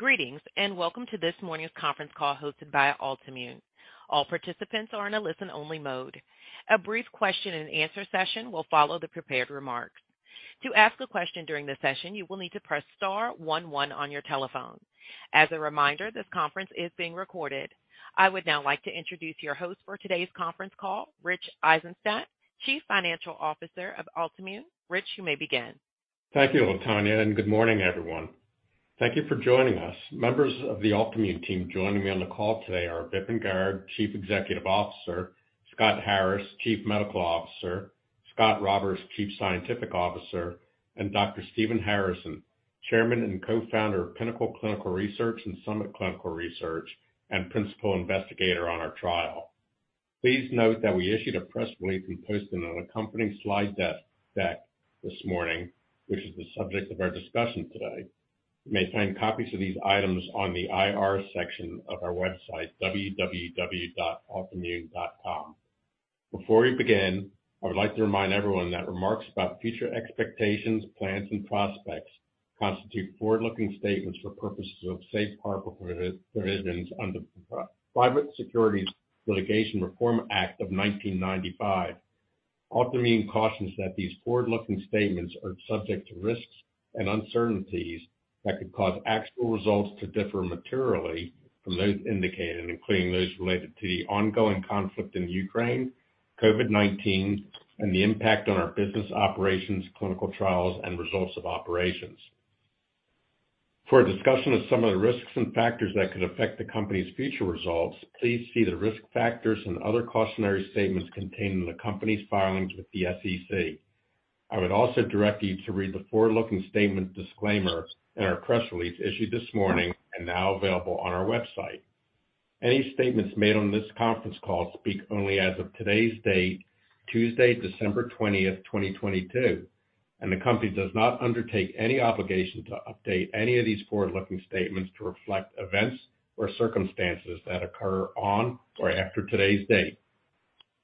Greetings, welcome to this morning's conference call hosted by Altimmune. All participants are in a listen-only mode. A brief question-and-answer session will follow the prepared remarks. To ask a question during the session, you will need to press star one one on your telephone. As a reminder, this conference is being recorded. I would now like to introduce your host for today's conference call, Rich Eisenstadt, Chief Financial Officer of Altimmune. Rich, you may begin. Thank you, Latonya. Good morning, everyone. Thank you for joining us. Members of the Altimmune team joining me on the call today are Vipin Garg, Chief Executive Officer, Scott Harris, Chief Medical Officer, Scot Roberts, Chief Scientific Officer, and Dr. Stephen Harrison, Chairman and Co-Founder of Pinnacle Clinical Research and Summit Clinical Research and Principal Investigator on our trial. Please note that we issued a press release we posted on accompanying slide deck this morning, which is the subject of our discussion today. You may find copies of these items on the IR section of our website, www.altimmune.com. Before we begin, I would like to remind everyone that remarks about future expectations, plans, and prospects constitute forward-looking statements for purposes of safe harbor provisions under the Private Securities Litigation Reform Act of 1995. Altimmune cautions that these forward-looking statements are subject to risks and uncertainties that could cause actual results to differ materially from those indicated, including those related to the ongoing conflict in Ukraine, COVID-19, and the impact on our business operations, clinical trials, and results of operations. For a discussion of some of the risks and factors that could affect the company's future results, please see the risk factors and other cautionary statements contained in the company's filings with the SEC. I would also direct you to read the forward-looking statement disclaimer in our press release issued this morning and now available on our website. Any statements made on this conference call speak only as of today's date, Tuesday, December 20th, 2022. The company does not undertake any obligation to update any of these forward-looking statements to reflect events or circumstances that occur on or after today's date.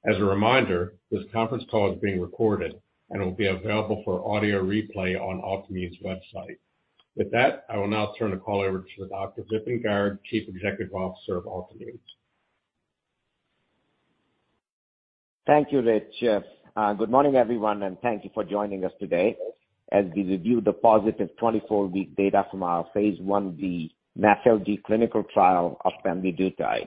As a reminder, this conference call is being recorded and will be available for audio replay on Altimmune's website. With that, I will now turn the call over to Dr. Vipin Garg, Chief Executive Officer of Altimmune. Thank you, Rich. Good morning, everyone, thank you for joining us today as we review the positive 24-week data from our phase I-B NAFLD clinical trial of pemvidutide.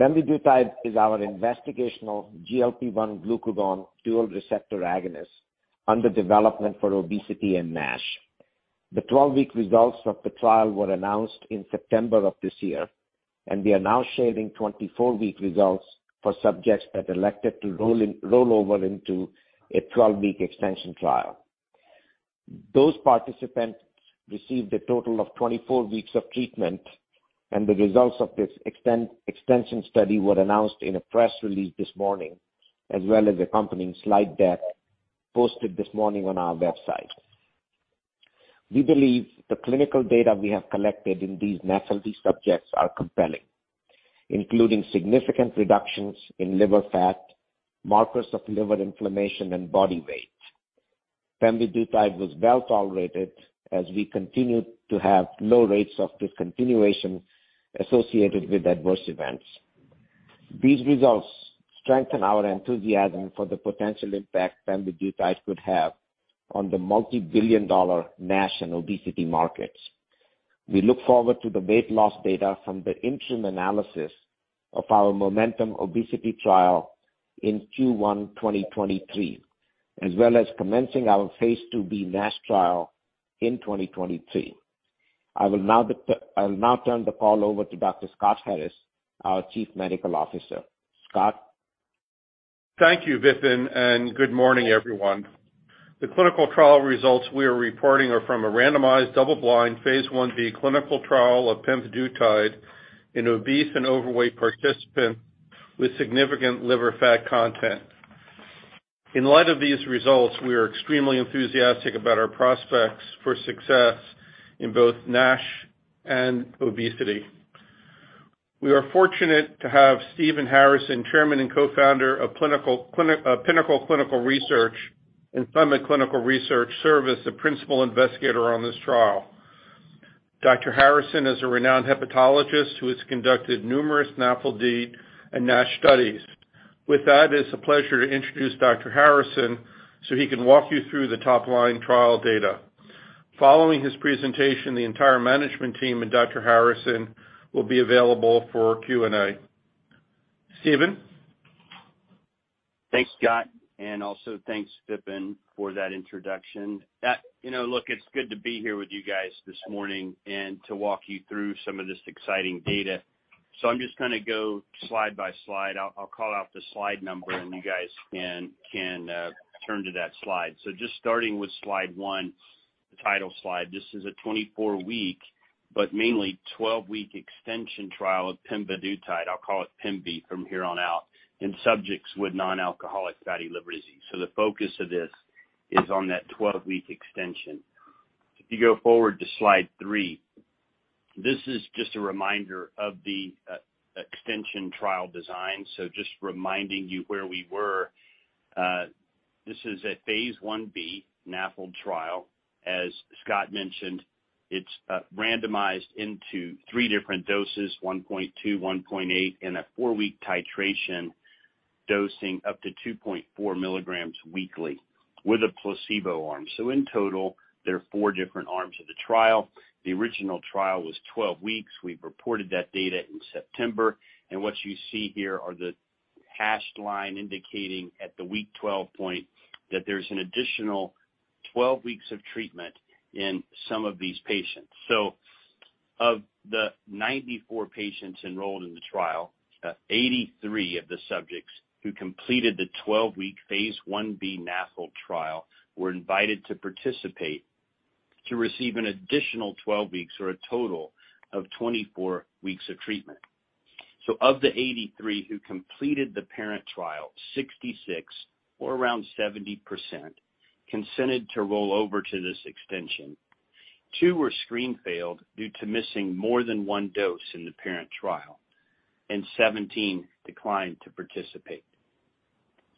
Pemvidutide is our investigational GLP-1 glucagon dual receptor agonist under development for Obesity and NASH. The 12-week results of the trial were announced in September of this year. We are now sharing 24-week results for subjects that elected to roll over into a 12-week extension trial. Those participants received a total of 24 weeks of treatment. The results of this extension study were announced in a press release this morning, as well as accompanying slide deck posted this morning on our website. We believe the clinical data we have collected in these NAFLD subjects are compelling, including significant reductions in liver fat, markers of liver inflammation, and body weight. Pemvidutide was well-tolerated as we continued to have low rates of discontinuation associated with adverse events. These results strengthen our enthusiasm for the potential impact pemvidutide could have on the multi-billion dollar NASH and Obesity markets. We look forward to the weight loss data from the interim analysis of our MOMENTUM Obesity trial in Q1 2023, as well as commencing our phase II-B NASH trial in 2023. I'll now turn the call over to Dr. Scott Harris, our Chief Medical Officer. Scott. Thank you, Vipin. Good morning, everyone. The clinical trial results we are reporting are from a randomized double-blind phase I-B clinical trial of pemvidutide in obese and overweight participants with significant liver fat content. In light of these results, we are extremely enthusiastic about our prospects for success in both NASH and Obesity. We are fortunate to have Stephen Harrison, Chairman and Co-Founder of Pinnacle Clinical Research and Summit Clinical Research, serve as the principal investigator on this trial. Dr. Harrison is a renowned hepatologist who has conducted numerous NAFLD and NASH studies. With that, it's a pleasure to introduce Dr. Harrison so he can walk you through the top-line trial data. Following his presentation, the entire management team and Dr. Harrison will be available for Q&A. Stephen. Thanks, Scott, and also thanks Vipin for that introduction. You know, look, it's good to be here with you guys this morning and to walk you through some of this exciting data. I'm just gonna go slide by slide. I'll call out the slide number and you guys can turn to that slide. Just starting with slide one, the title slide. This is a 24-week, but mainly 12-week extension trial of pemvidutide, I'll call it pemvidutide from here on out, in subjects with non-alcoholic fatty liver disease. The focus of this is on that 12-week extension. If you go forward to slide three This is just a reminder of the extension trial design. Just reminding you where we were. This is a phase I-B NAFLD trial. As Scott mentioned, it's randomized into three different doses, 1.2 mg, 1.8 mg, and a 4-week titration dosing up to 2.4 mg weekly with a placebo arm. In total, there are four different arms of the trial. The original trial was 12 weeks. We've reported that data in September. What you see here are the hashed line indicating at the week 12 point that there's an additional 12 weeks of treatment in some of these patients. Of the 94 patients enrolled in the trial, 83 of the subjects who completed the 12-week phase I-B NAFLD trial were invited to participate to receive an additional 12 weeks or a total of 24 weeks of treatment. Of the 83 who completed the parent trial, 66 or around 70% consented to roll over to this extension. Two were screen failed due to missing more than one dose in the parent trial, and 17 declined to participate.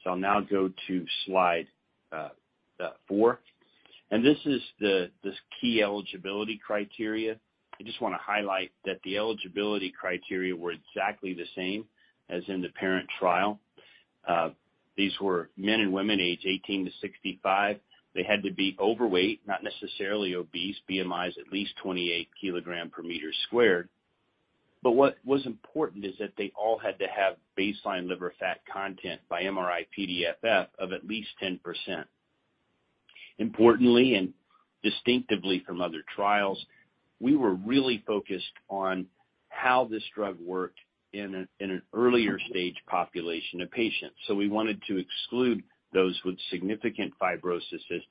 I'll now go to slide four. And this is the key eligibility criteria. I just wanna highlight that the eligibility criteria were exactly the same as in the parent trial. These were men and women aged 18-65. They had to be overweight, not necessarily obese, BMIs at least 28 kg per meter squared. What was important is that they all had to have baseline liver fat content by MRI-PDFF of at least 10%. Importantly, and distinctively from other trials, we were really focused on how this drug worked in an earlier stage population of patients. We wanted to exclude those with significant fibrosis as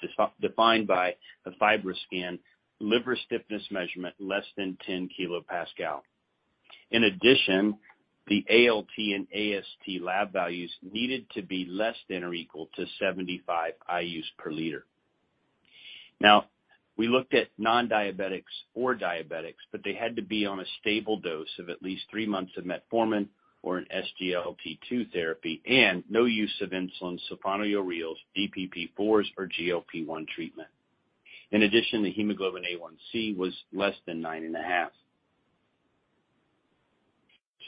defined by a FibroScan liver stiffness measurement less than 10 kPa. In addition, the ALT and AST lab values needed to be less than or equal to 75 IU/L. We looked at nondiabetics or diabetics, but they had to be on a stable dose of at least three months of metformin or an SGLT2 therapy and no use of insulin, sulfonylureas, DPP-4s, or GLP-1 treatment. In addition, the hemoglobin A1c was less than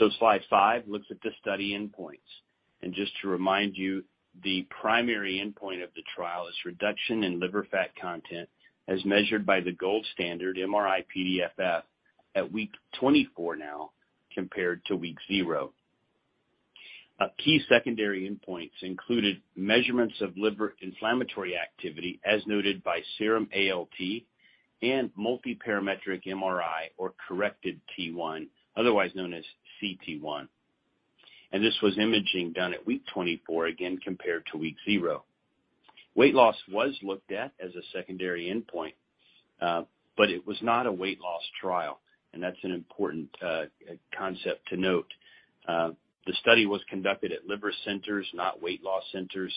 9.5%. Slide five looks at the study endpoints. Just to remind you, the primary endpoint of the trial is reduction in liver fat content as measured by the gold standard MRI-PDFF at week 24 now compared to week zero. Key secondary endpoints included measurements of liver inflammatory activity as noted by serum ALT and multiparametric MRI or corrected T1, otherwise known as cT1. This was imaging done at week 24, again compared to week zero. Weight loss was looked at as a secondary endpoint, but it was not a weight loss trial, and that's an important concept to note. The study was conducted at liver centers, not weight loss centers.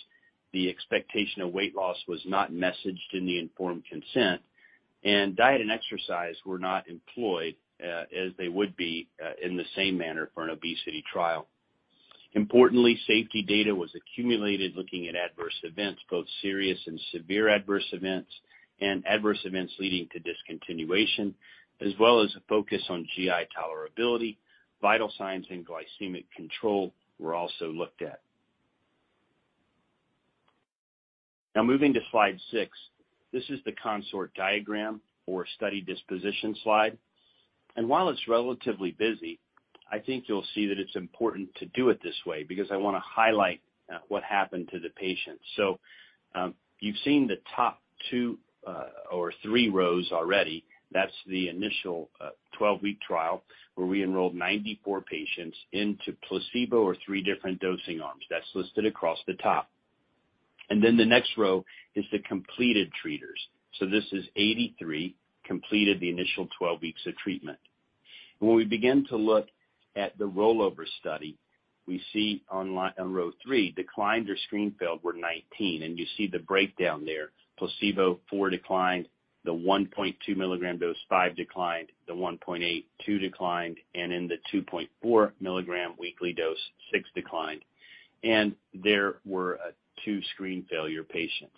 The expectation of weight loss was not messaged in the informed consent, and diet and exercise were not employed as they would be in the same manner for an obesity trial. Importantly, safety data was accumulated looking at adverse events, both serious and severe adverse events, and adverse events leading to discontinuation, as well as a focus on GI tolerability. Vital signs and glycemic control were also looked at. Moving to slide six, this is the CONSORT diagram or study disposition slide. While it's relatively busy, I think you'll see that it's important to do it this way because I wanna highlight what happened to the patients. You've seen the top two or three rows already. That's the initial 12-week trial, where we enrolled 94 patients into placebo or three different dosing arms. That's listed across the top. The next row is the completed treaters. This is 83 completed the initial 12 weeks of treatment. When we begin to look at the rollover study, we see on row three, declined or screen failed were 19, and you see the breakdown there. Placebo, four declined. The 1.2 mg dose, five declined. The 1.8 mg, two declined. In the 2.4 mg weekly dose, six declined. There were two screen failure patients.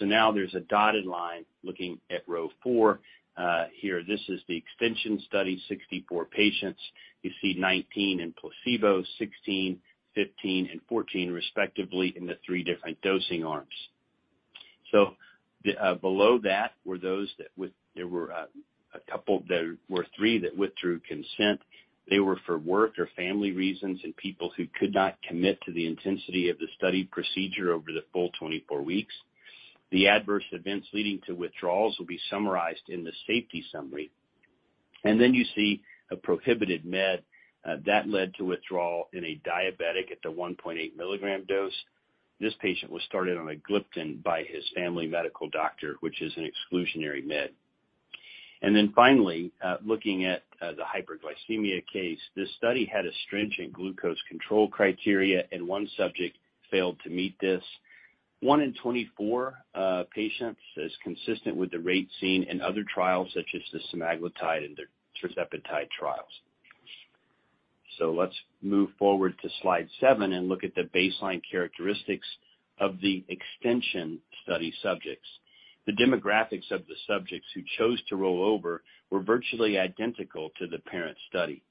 Now there's a dotted line looking at row four. Here this is the extension study, 64 patients. You see 19 in placebo, 16, 15, and 14 respectively in the three different dosing arms. Below that were three that withdrew consent. They were for work or family reasons and people who could not commit to the intensity of the study procedure over the full 24 weeks. The adverse events leading to withdrawals will be summarized in the safety summary. You see a prohibited med that led to withdrawal in a diabetic at the 1.8 mg dose. This patient was started on a gliptin by his family medical doctor, which is an exclusionary med. Finally, looking at the hyperglycemia case, this study had a stringent glucose control criteria, and one subject failed to meet this. One in 24 patients is consistent with the rate seen in other trials such as the semaglutide and the tirzepatide trials. Let's move forward to slide seven and look at the baseline characteristics of the extension study subjects. The demographics of the subjects who chose to roll over were virtually identical to the parent study.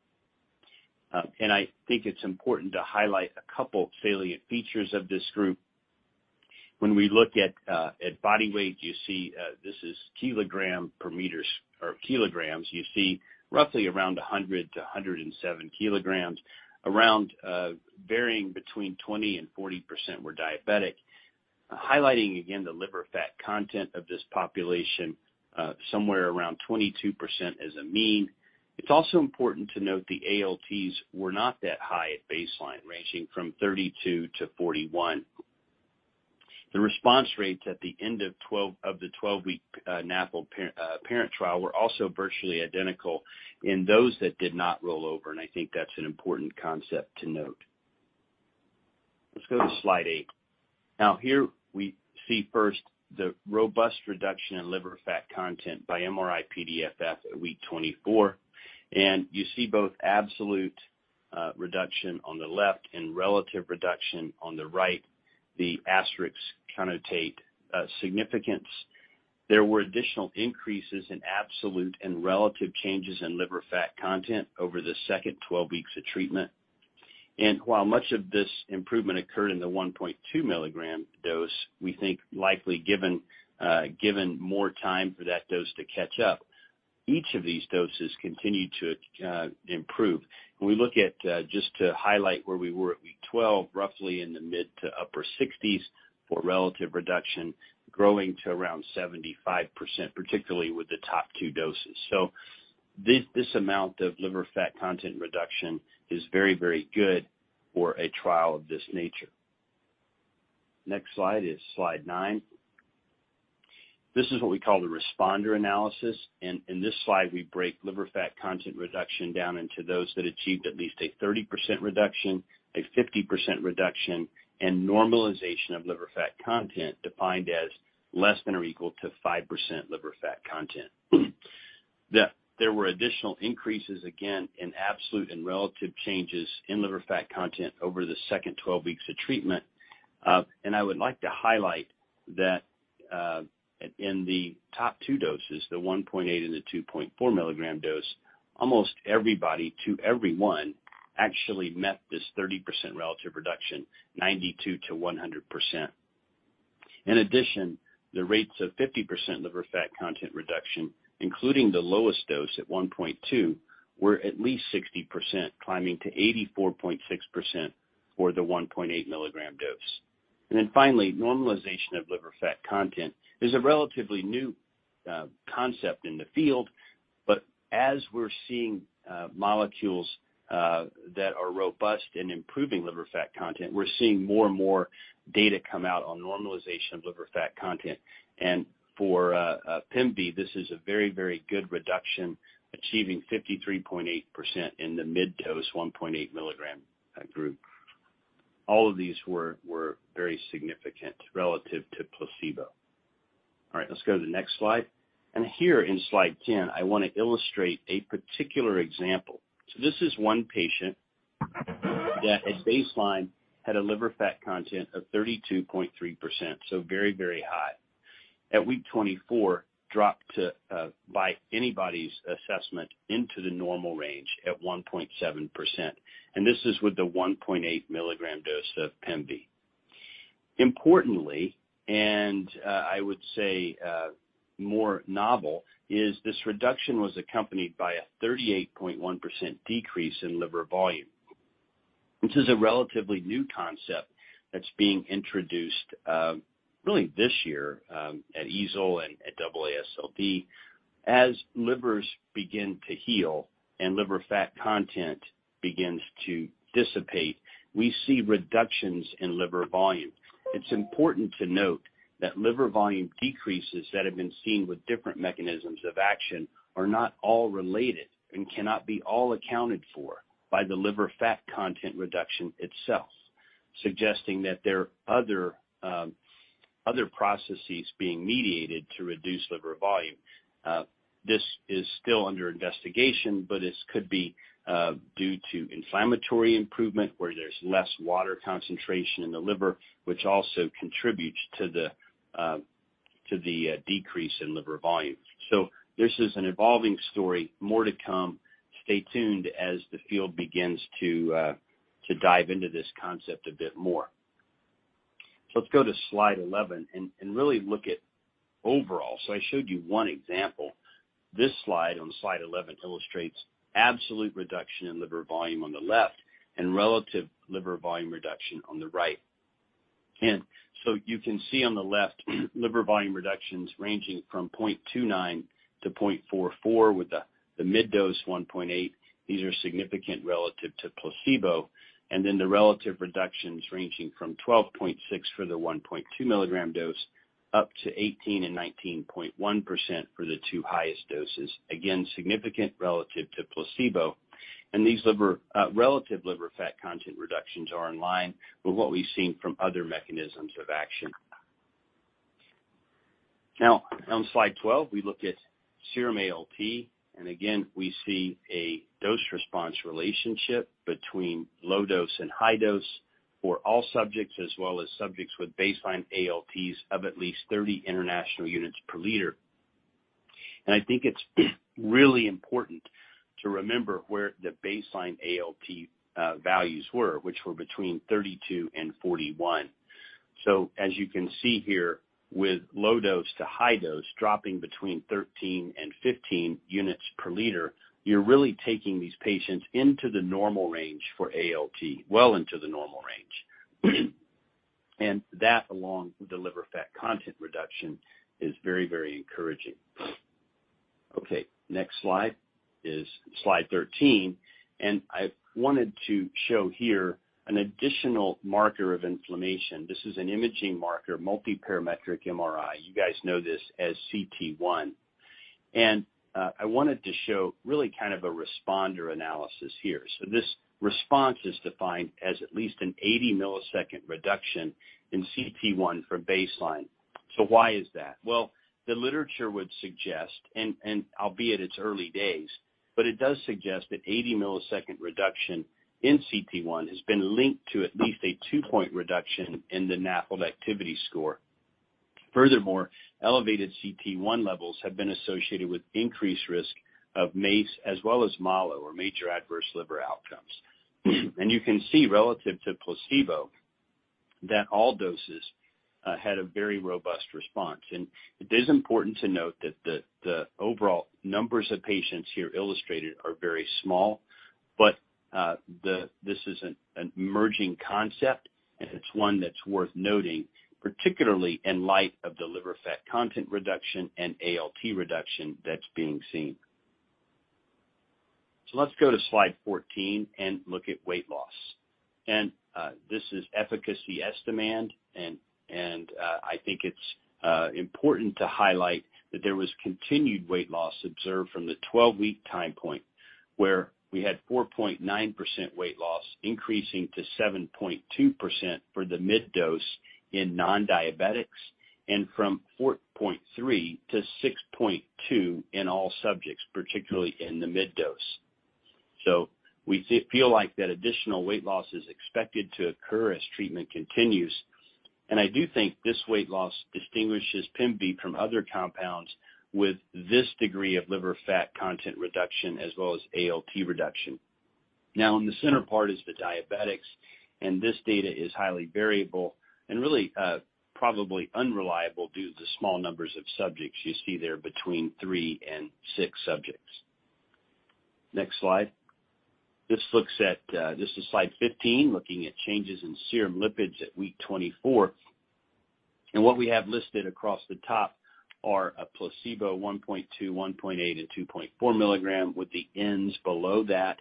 I think it's important to highlight a couple salient features of this group. When we look at body weight, you see, this is kilogram per meters or kilograms. You see roughly around 100 kg-107 kg. Around, varying between 20% and 40% were diabetic. Highlighting again the liver fat content of this population, somewhere around 22% as a mean. It's also important to note the ALTs were not that high at baseline, ranging from 32-41. The response rates at the end of the 12-week parent trial were also virtually identical in those that did not roll over. I think that's an important concept to note. Let's go to slide eight. Now here we see first the robust reduction in liver fat content by MRI-PDFF at week 24, and you see both absolute reduction on the left and relative reduction on the right. The asterisks connote significance. There were additional increases in absolute and relative changes in liver fat content over the second 12 weeks of treatment. While much of this improvement occurred in the 1.2 mg dose, we think likely given more time for that dose to catch up, each of these doses continued to improve. We look at just to highlight where we were at week 12, roughly in the mid to upper 60s% for relative reduction, growing to around 75%, particularly with the top two doses. This amount of liver fat content reduction is very, very good for a trial of this nature. Next slide is slide nine. This is what we call the responder analysis, and in this slide we break liver fat content reduction down into those that achieved at least a 30% reduction, a 50% reduction, and normalization of liver fat content defined as less than or equal to 5% liver fat content. There were additional increases, again, in absolute and relative changes in liver fat content over the second 12 weeks of treatment. I would like to highlight that in the top two doses, the 1.8 mg and the 2.4 mg dose, almost everybody to everyone actually met this 30% relative reduction 92%-100%. In addition, the rates of 50% liver fat content reduction, including the lowest dose at 1.2 mg, were at least 60%, climbing to 84.6% for the 1.8 mg dose. Finally, normalization of liver fat content is a relatively new concept in the field, but as we're seeing molecules that are robust in improving liver fat content, we're seeing more and more data come out on normalization of liver fat content. For pemvi, this is a very, very good reduction, achieving 53.8% in the mid-dose 1.8 mg group. All of these were very significant relative to placebo. All right, let's go to the next slide. Here in slide 10, I wanna illustrate a particular example. This is one patient that at baseline had a liver fat content of 32.3%, so very, very high. At week 24, dropped to by anybody's assessment into the normal range at 1.7%. This is with the 1.8 mg dose of pemvi. Importantly, and I would say, more novel, is this reduction was accompanied by a 38.1% decrease in liver volume. This is a relatively new concept that's being introduced, really this year, at EASL and at AASLD. As livers begin to heal and liver fat content begins to dissipate, we see reductions in liver volume. It's important to note that liver volume decreases that have been seen with different mechanisms of action are not all related and cannot be all accounted for by the liver fat content reduction itself, suggesting that there are other processes being mediated to reduce liver volume. This is still under investigation, but this could be due to inflammatory improvement where there's less water concentration in the liver, which also contributes to the decrease in liver volume. This is an evolving story. More to come. Stay tuned as the field begins to dive into this concept a bit more. Let's go to slide 11 and really look at overall. I showed you one example. This slide on slide 11 illustrates absolute reduction in liver volume on the left and relative liver volume reduction on the right. You can see on the left liver volume reductions ranging from 0.29 to 0.44 with the mid-dose 1.8 mg. These are significant relative to placebo. The relative reductions ranging from 12.6% for the 1.2 mg dose up to 18% and 19.1% for the two highest doses. Significant relative to placebo. These liver relative liver fat content reductions are in line with what we've seen from other mechanisms of action. On slide 12, we look at serum ALT, we see a dose-response relationship between low dose and high dose for all subjects, as well as subjects with baseline ALTs of at least 30 IU/L. It's really important to remember where the baseline ALT values were, which were between 32 IU/L and 41 IU/L. As you can see here, with low dose to high dose dropping between 13 U/L and 15 U/L, you're really taking these patients into the normal range for ALT, well into the normal range. That, along with the liver fat content reduction, is very, very encouraging. Okay. Next slide is slide 13. I wanted to show here an additional marker of inflammation. This is an imaging marker, multiparametric MRI. You guys know this as cT1. I wanted to show really kind of a responder analysis here. This response is defined as at least an 80 ms reduction in cT1 from baseline. Why is that? Well, the literature would suggest, and albeit it's early days, but it does suggest that 80 ms reduction in cT1 has been linked to at least a two-point reduction in the NAFLD Activity Score. Furthermore, elevated cT1 levels have been associated with increased risk of MACE as well as MALO, or Major Adverse Liver Outcomes. You can see relative to placebo that all doses had a very robust response. It is important to note that the overall numbers of patients here illustrated are very small, but this is an emerging concept, and it's one that's worth noting, particularly in light of the liver fat content reduction and ALT reduction that's being seen. Let's go to slide 14 and look at weight loss. This is efficacy estimand, I think it's important to highlight that there was continued weight loss observed from the 12-week time point, where we had 4.9% weight loss increasing to 7.2% for the mid dose in nondiabetics and from 4.3%-6.2% in all subjects, particularly in the mid dose. We feel like that additional weight loss is expected to occur as treatment continues. I do think this weight loss distinguishes pemvidutide from other compounds with this degree of liver fat content reduction as well as ALT reduction. Now in the center part is the diabetics, and this data is highly variable and really, probably unreliable due to the small numbers of subjects you see there between three and six subjects. Next slide. This looks at, this is slide 15, looking at changes in serum lipids at week 24. What we have listed across the top are a placebo 1.2 mg, 1.8 mg, and 2.4 mg with the ends below that.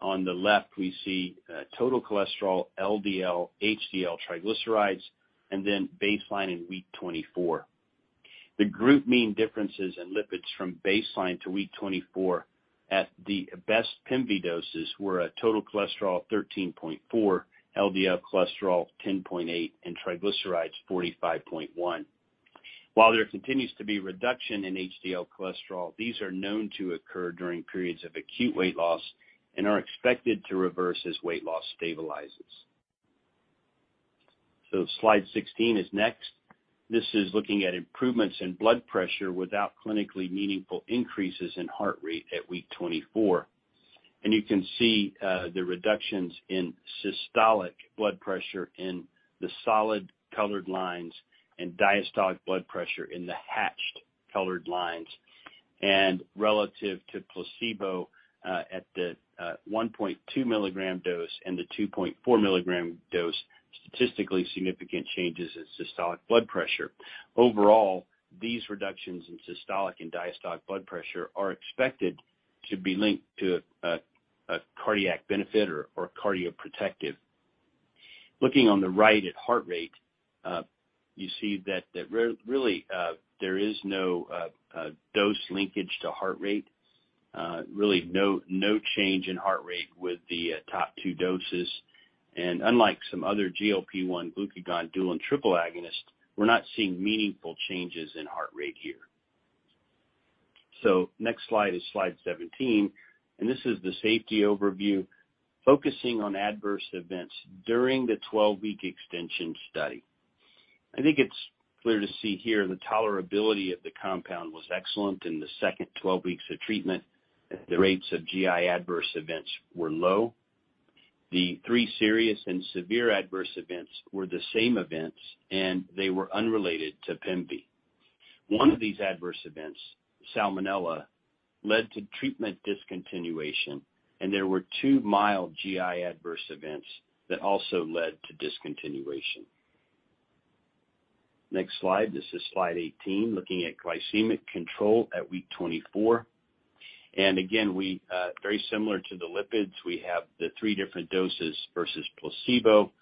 On the left we see, total cholesterol, LDL, HDL triglycerides, and then baseline in week 24. The group mean differences in lipids from baseline to week 24 at the best pemvidutide doses were a total cholesterol of 13.4 mg/dL, LDL cholesterol 10.8 mg/dL, and triglycerides 45.1 mg/dL. While there continues to be reduction in HDL cholesterol, these are known to occur during periods of acute weight loss and are expected to reverse as weight loss stabilizes. Slide 16 is next. This is looking at improvements in blood pressure without clinically meaningful increases in heart rate at week 24. You can see the reductions in systolic blood pressure in the solid colored lines and diastolic blood pressure in the hatched colored lines. Relative to placebo, at the 1.2 mg dose and the 2.4 mg dose, statistically significant changes in systolic blood pressure. Overall, these reductions in systolic and diastolic blood pressure are expected to be linked to a cardiac benefit or cardioprotective. Looking on the right at heart rate, you see that really there is no dose linkage to heart rate. Really no change in heart rate with the top two doses. Unlike some other GLP-1 glucagon dual and triple agonist, we're not seeing meaningful changes in heart rate here. Next slide is slide 17, and this is the safety overview focusing on adverse events during the 12-week extension study. I think it's clear to see here the tolerability of the compound was excellent in the second 12 weeks of treatment, as the rates of GI adverse events were low. The three serious and severe adverse events were the same events, and they were unrelated to pemvi. One of these adverse events, Salmonella, led to treatment discontinuation, and there were two mild GI adverse events that also led to discontinuation. Next slide. This is slide 18, looking at glycemic control at week 24. Again, we, very similar to the lipids, we have the three different doses versus placebo.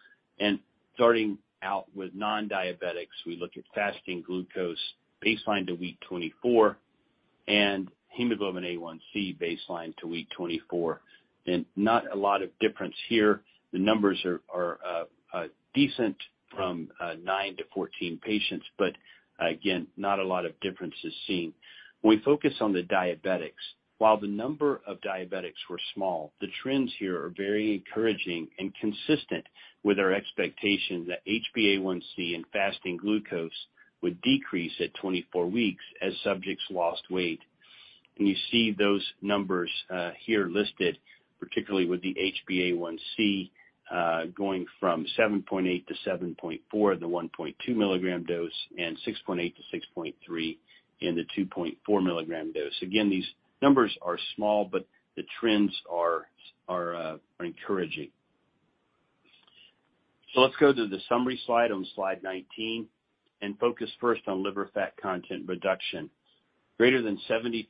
Starting out with non-diabetics, we look at fasting glucose baseline to week 24 and hemoglobin A1C baseline to week 24. Not a lot of difference here. The numbers are decent from nine to 14 patients, but again, not a lot of differences seen. When we focus on the diabetics, while the number of diabetics were small, the trends here are very encouraging and consistent with our expectation that HbA1c and fasting glucose would decrease at 24 weeks as subjects lost weight. You see those numbers here listed, particularly with the HbA1c going from 7.8%-7.4% in the 1.2 mg dose and 6.8%- 6.3% in the 2.4 mg dose. Again, these numbers are small, but the trends are encouraging. Let's go to the summary slide on slide 19 and focus first on liver fat content reduction. Greater than 75%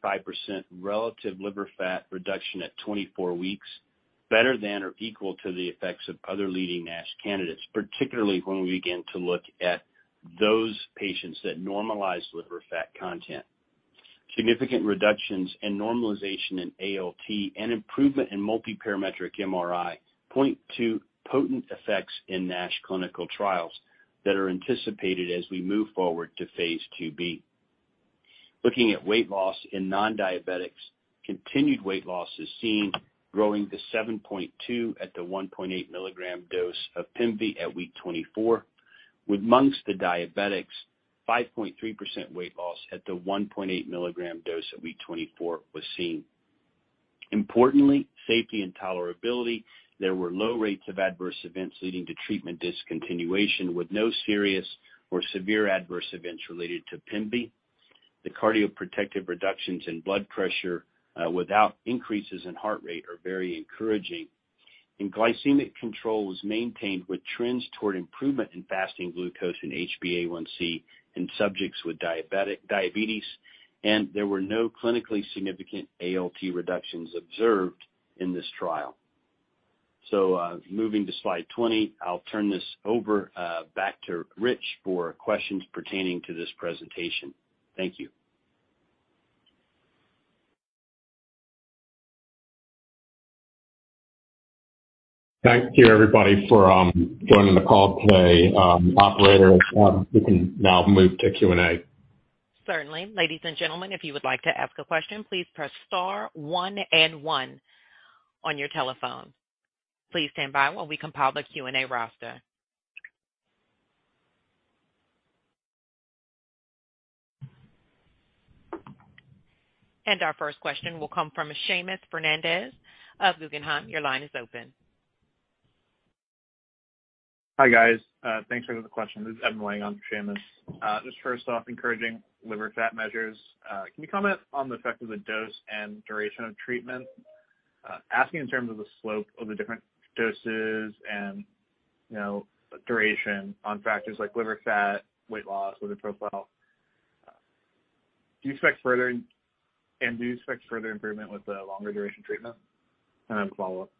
relative liver fat reduction at 24 weeks, better than or equal to the effects of other leading NASH candidates, particularly when we begin to look at those patients that normalize liver fat content. Significant reductions and normalization in ALT and improvement in multiparametric MRI point to potent effects in NASH clinical trials that are anticipated as we move forward to phase II-B. Looking at weight loss in non-diabetics, continued weight loss is seen growing to 7.2% at the 1.8 mg dose of pemvi at week 24. With amongst the diabetics, 5.3% weight loss at the 1.8 mg dose at week 24 was seen. Importantly, safety and tolerability, there were low rates of adverse events leading to treatment discontinuation with no serious or severe adverse events related to pemvi. The cardioprotective reductions in blood pressure, without increases in heart rate are very encouraging. Glycemic control was maintained with trends toward improvement in fasting glucose in HbA1c in subjects with diabetes, and there were no clinically significant ALT reductions observed in this trial. Moving to slide 20, I'll turn this over, back to Rich for questions pertaining to this presentation. Thank you. Thank you, everybody, for joining the call today. Operator, we can now move to Q&A. Certainly. Ladies and gentlemen, if you would like to ask a question, please press star one and one on your telephone. Please stand by while we compile the Q&A roster. Our first question will come from Seamus Fernandez of Guggenheim. Your line is open. Hi, guys. Thanks for the question. This is Evan Wang on for Seamus. Just first off, encouraging liver fat measures. Can you comment on the effect of the dose and duration of treatment? Asking in terms of the slope of the different doses and, you know, duration on factors like liver fat, weight loss, lipid profile. Do you expect further improvement with the longer duration treatment? I have a follow-up.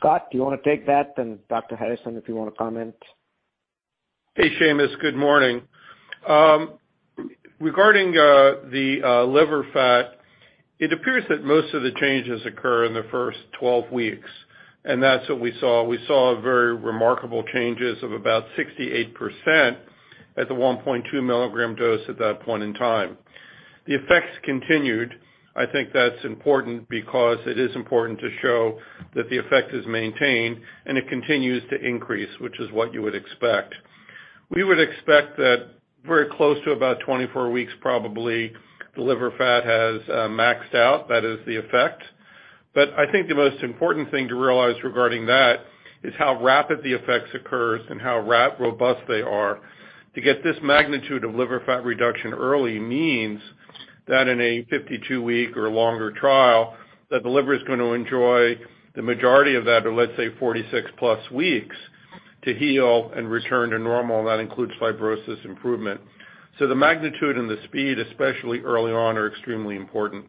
Scott, do you want to take that, then Dr. Harrison, if you want to comment. Hey, Seamus, good morning. Regarding the liver fat, it appears that most of the changes occur in the first 12 weeks. That's what we saw. We saw very remarkable changes of about 68% at the 1.2 mg dose at that point in time. The effects continued. I think that's important because it is important to show that the effect is maintained, and it continues to increase, which is what you would expect. We would expect that very close to about 24 weeks probably, the liver fat has maxed out. That is the effect. I think the most important thing to realize regarding that is how rapid the effects occurs and how robust they are. To get this magnitude of liver fat reduction early means that in a 52-week or longer trial, that the liver is going to enjoy the majority of that, or let's say 46+ weeks to heal and return to normal. That includes fibrosis improvement. The magnitude and the speed, especially early on, are extremely important.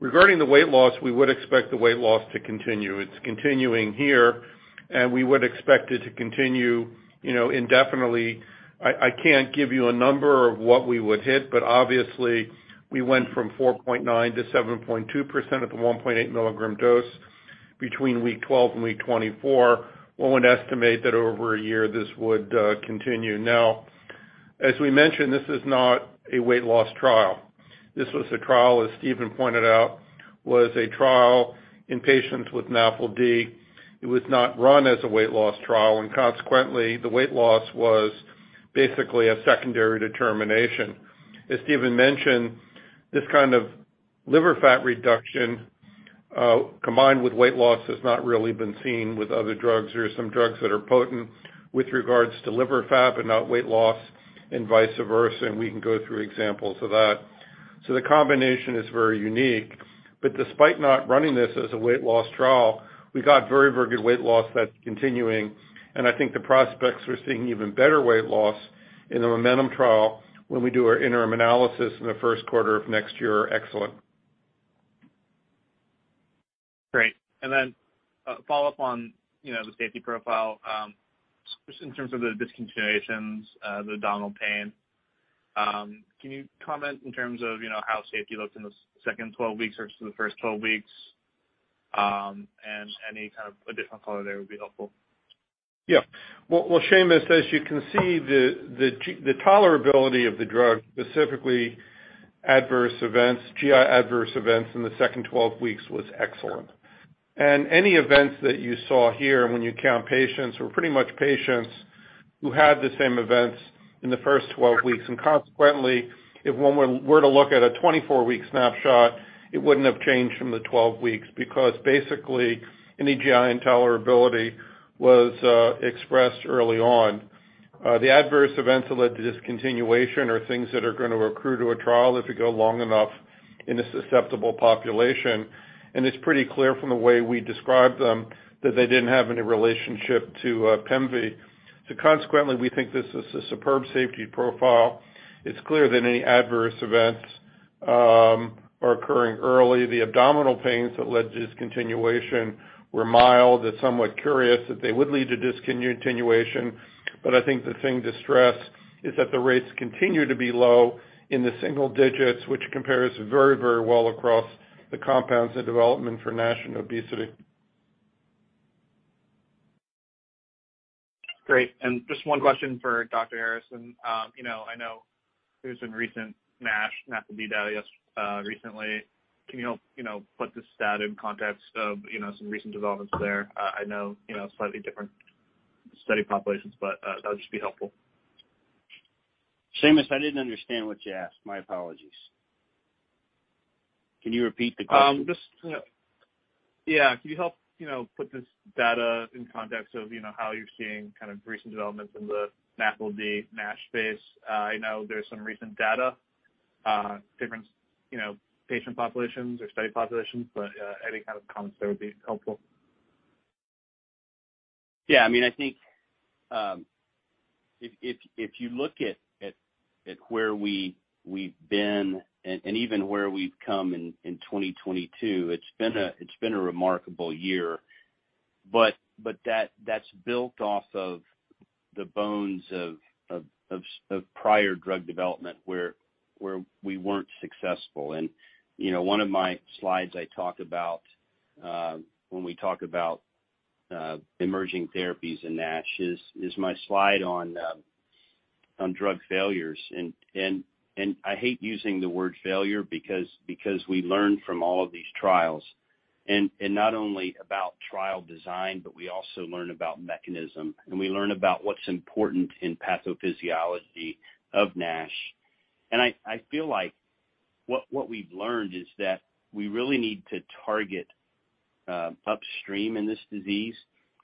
Regarding the weight loss, we would expect the weight loss to continue. It's continuing here, and we would expect it to continue, you know, indefinitely. I can't give you a number of what we would hit, but obviously we went from 4.9%-7.2% at the 1.8 mg dose between week 12 and week 24. One would estimate that over a year this would continue. As we mentioned, this is not a weight loss trial. This was a trial, as Stephen pointed out, was a trial in patients with NAFLD. It was not run as a weight loss trial. Consequently, the weight loss was basically a secondary determination. As Stephen mentioned, this kind of liver fat reduction, combined with weight loss has not really been seen with other drugs. There are some drugs that are potent with regards to liver fat, but not weight loss and vice versa. We can go through examples of that. The combination is very unique. Despite not running this as a weight loss trial, we got very, very good weight loss that's continuing. I think the prospects we're seeing even better weight loss in the MOMENTUM trial when we do our interim analysis in the first quarter of next year are excellent. Great. Then a follow-up on, you know, the safety profile, just in terms of the discontinuations, the abdominal pain. Can you comment in terms of, you know, how safety looks in the second 12 weeks versus the first 12 weeks? Any kind of additional color there would be helpful. Yeah. Well, Seamus, as you can see, the tolerability of the drug, specifically adverse events, GI adverse events in the second 12 weeks was excellent. Any events that you saw here when you count patients were pretty much patients who had the same events in the first 12 weeks. Consequently, if one were to look at a 24-week snapshot, it wouldn't have changed from the 12 weeks because basically any GI intolerability was expressed early on. The adverse events that led to discontinuation are things that are gonna accrue to a trial if you go long enough in a susceptible population. It's pretty clear from the way we describe them that they didn't have any relationship to pemvi. Consequently, we think this is a superb safety profile. It's clear that any adverse events are occurring early. The abdominal pains that led to discontinuation were mild. It's somewhat curious that they would lead to discontinuation. I think the thing to stress is that the rates continue to be low in the single digits, which compares very, very well across the compounds and development for NASH and Obesity. Great. Just one question for Dr. Harrison. You know, I know there's some recent NASH/NAFLD data recently. Can you help, you know, put this stat in context of, you know, some recent developments there? I know, you know, slightly different study populations, but that would just be helpful. Seamus, I didn't understand what you asked. My apologies. Can you repeat the question? Just... Yeah. Can you help, you know, put this data in context of, you know, how you're seeing kind of recent developments in the NAFLD/NASH space? I know there's some recent data, different, you know, patient populations or study populations, but any kind of comments there would be helpful. Yeah. I mean, I think, if you look at where we've been and even where we've come in 2022, it's been a remarkable year. That's built off of the bones of prior drug development where we weren't successful. You know, one of my slides I talk about when we talk about emerging therapies in NASH is my slide on drug failures. I hate using the word failure because we learn from all of these trials. Not only about trial design, but we also learn about mechanism, and we learn about what's important in pathophysiology of NASH. I feel like what we've learned is that we really need to target upstream in this disease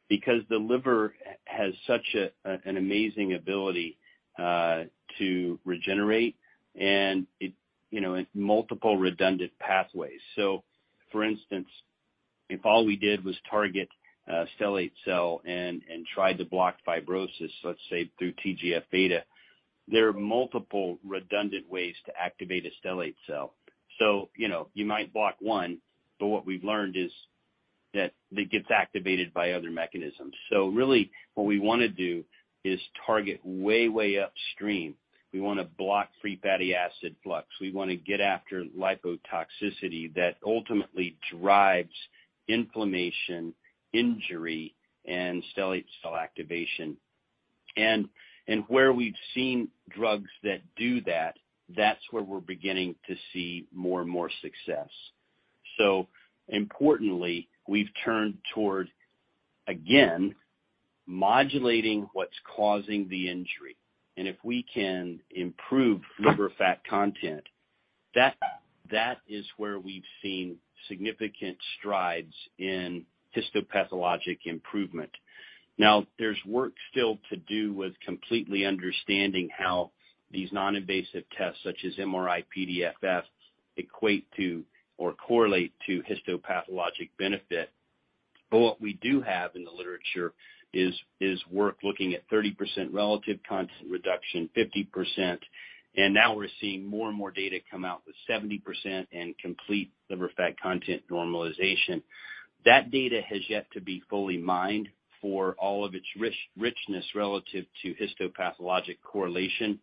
because the liver has such an amazing ability to regenerate and it, you know, in multiple redundant pathways. For instance, if all we did was target a stellate cell and tried to block fibrosis, let's say through TGF-β, there are multiple redundant ways to activate a stellate cell. You know, you might block one, but what we've learned is that it gets activated by other mechanisms. Really what we wanna do is target way upstream. We wanna block free fatty acid flux. We wanna get after lipotoxicity that ultimately drives inflammation, injury, and stellate cell activation. Where we've seen drugs that do that's where we're beginning to see more and more success. Importantly, we've turned toward, again, modulating what's causing the injury. If we can improve liver fat content, that is where we've seen significant strides in histopathologic improvement. There's work still to do with completely understanding how these non-invasive tests, such as MRI-PDFF, equate to or correlate to histopathologic benefit. What we do have in the literature is work looking at 30% relative content reduction, 50%, and now we're seeing more and more data come out with 70% and complete liver fat content normalization. That data has yet to be fully mined for all of its richness relative to histopathologic correlation.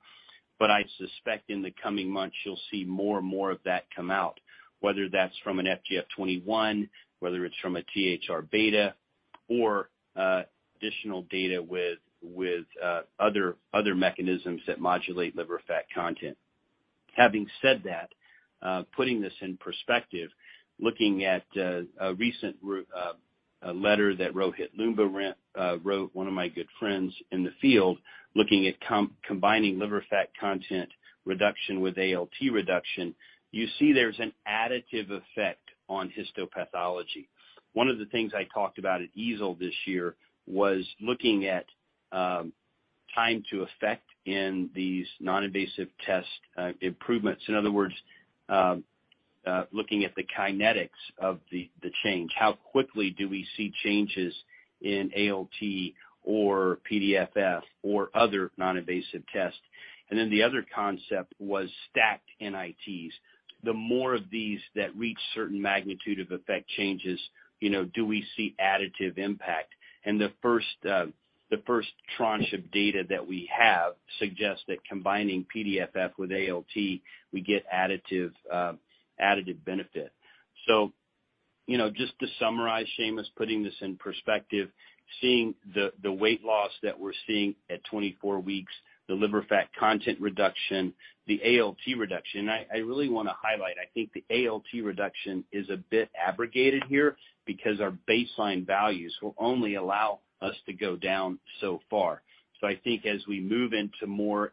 I suspect in the coming months, you'll see more and more of that come out, whether that's from an FGF21, whether it's from a THR-β or additional data with other mechanisms that modulate liver fat content. Having said that, putting this in perspective, looking at a recent letter that Rohit Loomba wrote, one of my good friends in the field, looking at combining liver fat content reduction with ALT reduction, you see there's an additive effect on histopathology. One of the things I talked about at EASL this year was looking at time to effect in these non-invasive test improvements. In other words, looking at the kinetics of the change, how quickly do we see changes in ALT or PDFF or other non-invasive tests. The other concept was stacked NITs. The more of these that reach certain magnitude of effect changes, you know, do we see additive impact? The first tranche of data that we have suggests that combining PDFF with ALT, we get additive benefit. You know, just to summarize, Seamus, putting this in perspective, seeing the weight loss that we're seeing at 24 weeks, the liver fat content reduction, the ALT reduction. I really wanna highlight, I think the ALT reduction is a bit abrogated here because our baseline values will only allow us to go down so far. I think as we move into more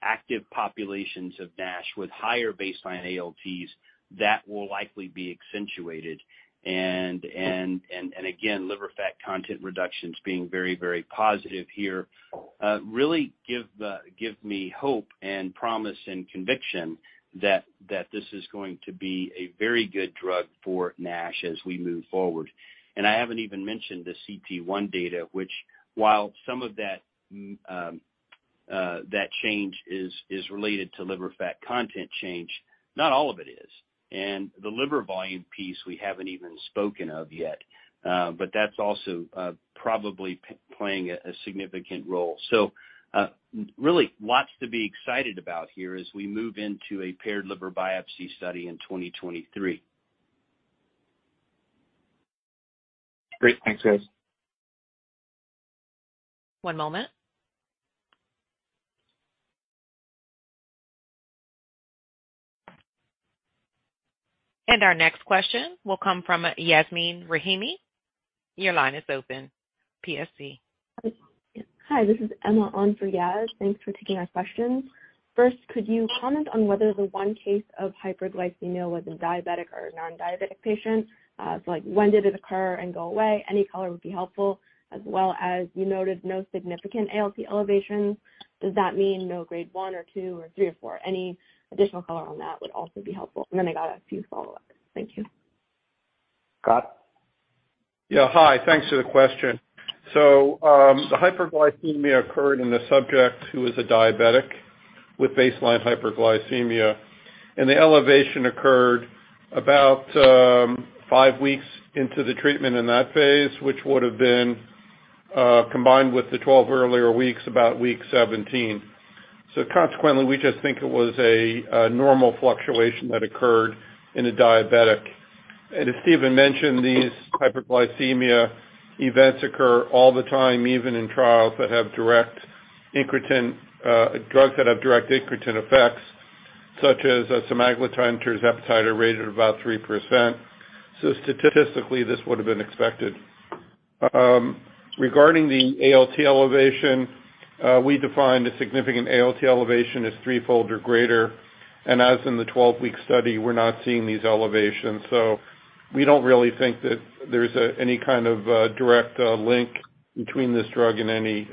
active populations of NASH with higher baseline ALTs, that will likely be accentuated. Again, liver fat content reductions being very, very positive here, really give me hope and promise and conviction that this is going to be a very good drug for MASH as we move forward. I haven't even mentioned the cT1 data, which while some of that change is related to liver fat content change, not all of it is. The liver volume piece we haven't even spoken of yet. That's also probably playing a significant role. Really lots to be excited about here as we move into a paired liver biopsy study in 2023. Great. Thanks, guys. One moment. Our next question will come from Yasmeen Rahimi. Your line is open. PSC. Hi, this is Emma on for Yas. Thanks for taking our questions. First, could you comment on whether the one case of hyperglycemia was a diabetic or a non-diabetic patient? Like when did it occur and go away? Any color would be helpful. As well as you noted no significant ALT elevations. Does that mean no grade one or two or three or four? Any additional color on that would also be helpful. I got a few follow-ups. Thank you. Scott? Yeah. Hi. Thanks for the question. The hyperglycemia occurred in the subject who was a diabetic with baseline hyperglycemia, and the elevation occurred about five weeks into the treatment in that phase, which would have been combined with the 12 earlier weeks, about week 17. Consequently, we just think it was a normal fluctuation that occurred in a diabetic. As Stephen mentioned, these hyperglycemia events occur all the time, even in trials that have direct incretin drugs that have direct incretin effects, such as semaglutide and tirzepatide are rated about 3%. Statistically, this would have been expected. Regarding the ALT elevation, we define a significant ALT elevation as threefold or greater. As in the 12-week study, we're not seeing these elevations. We don't really think that there's any kind of direct link between this drug and any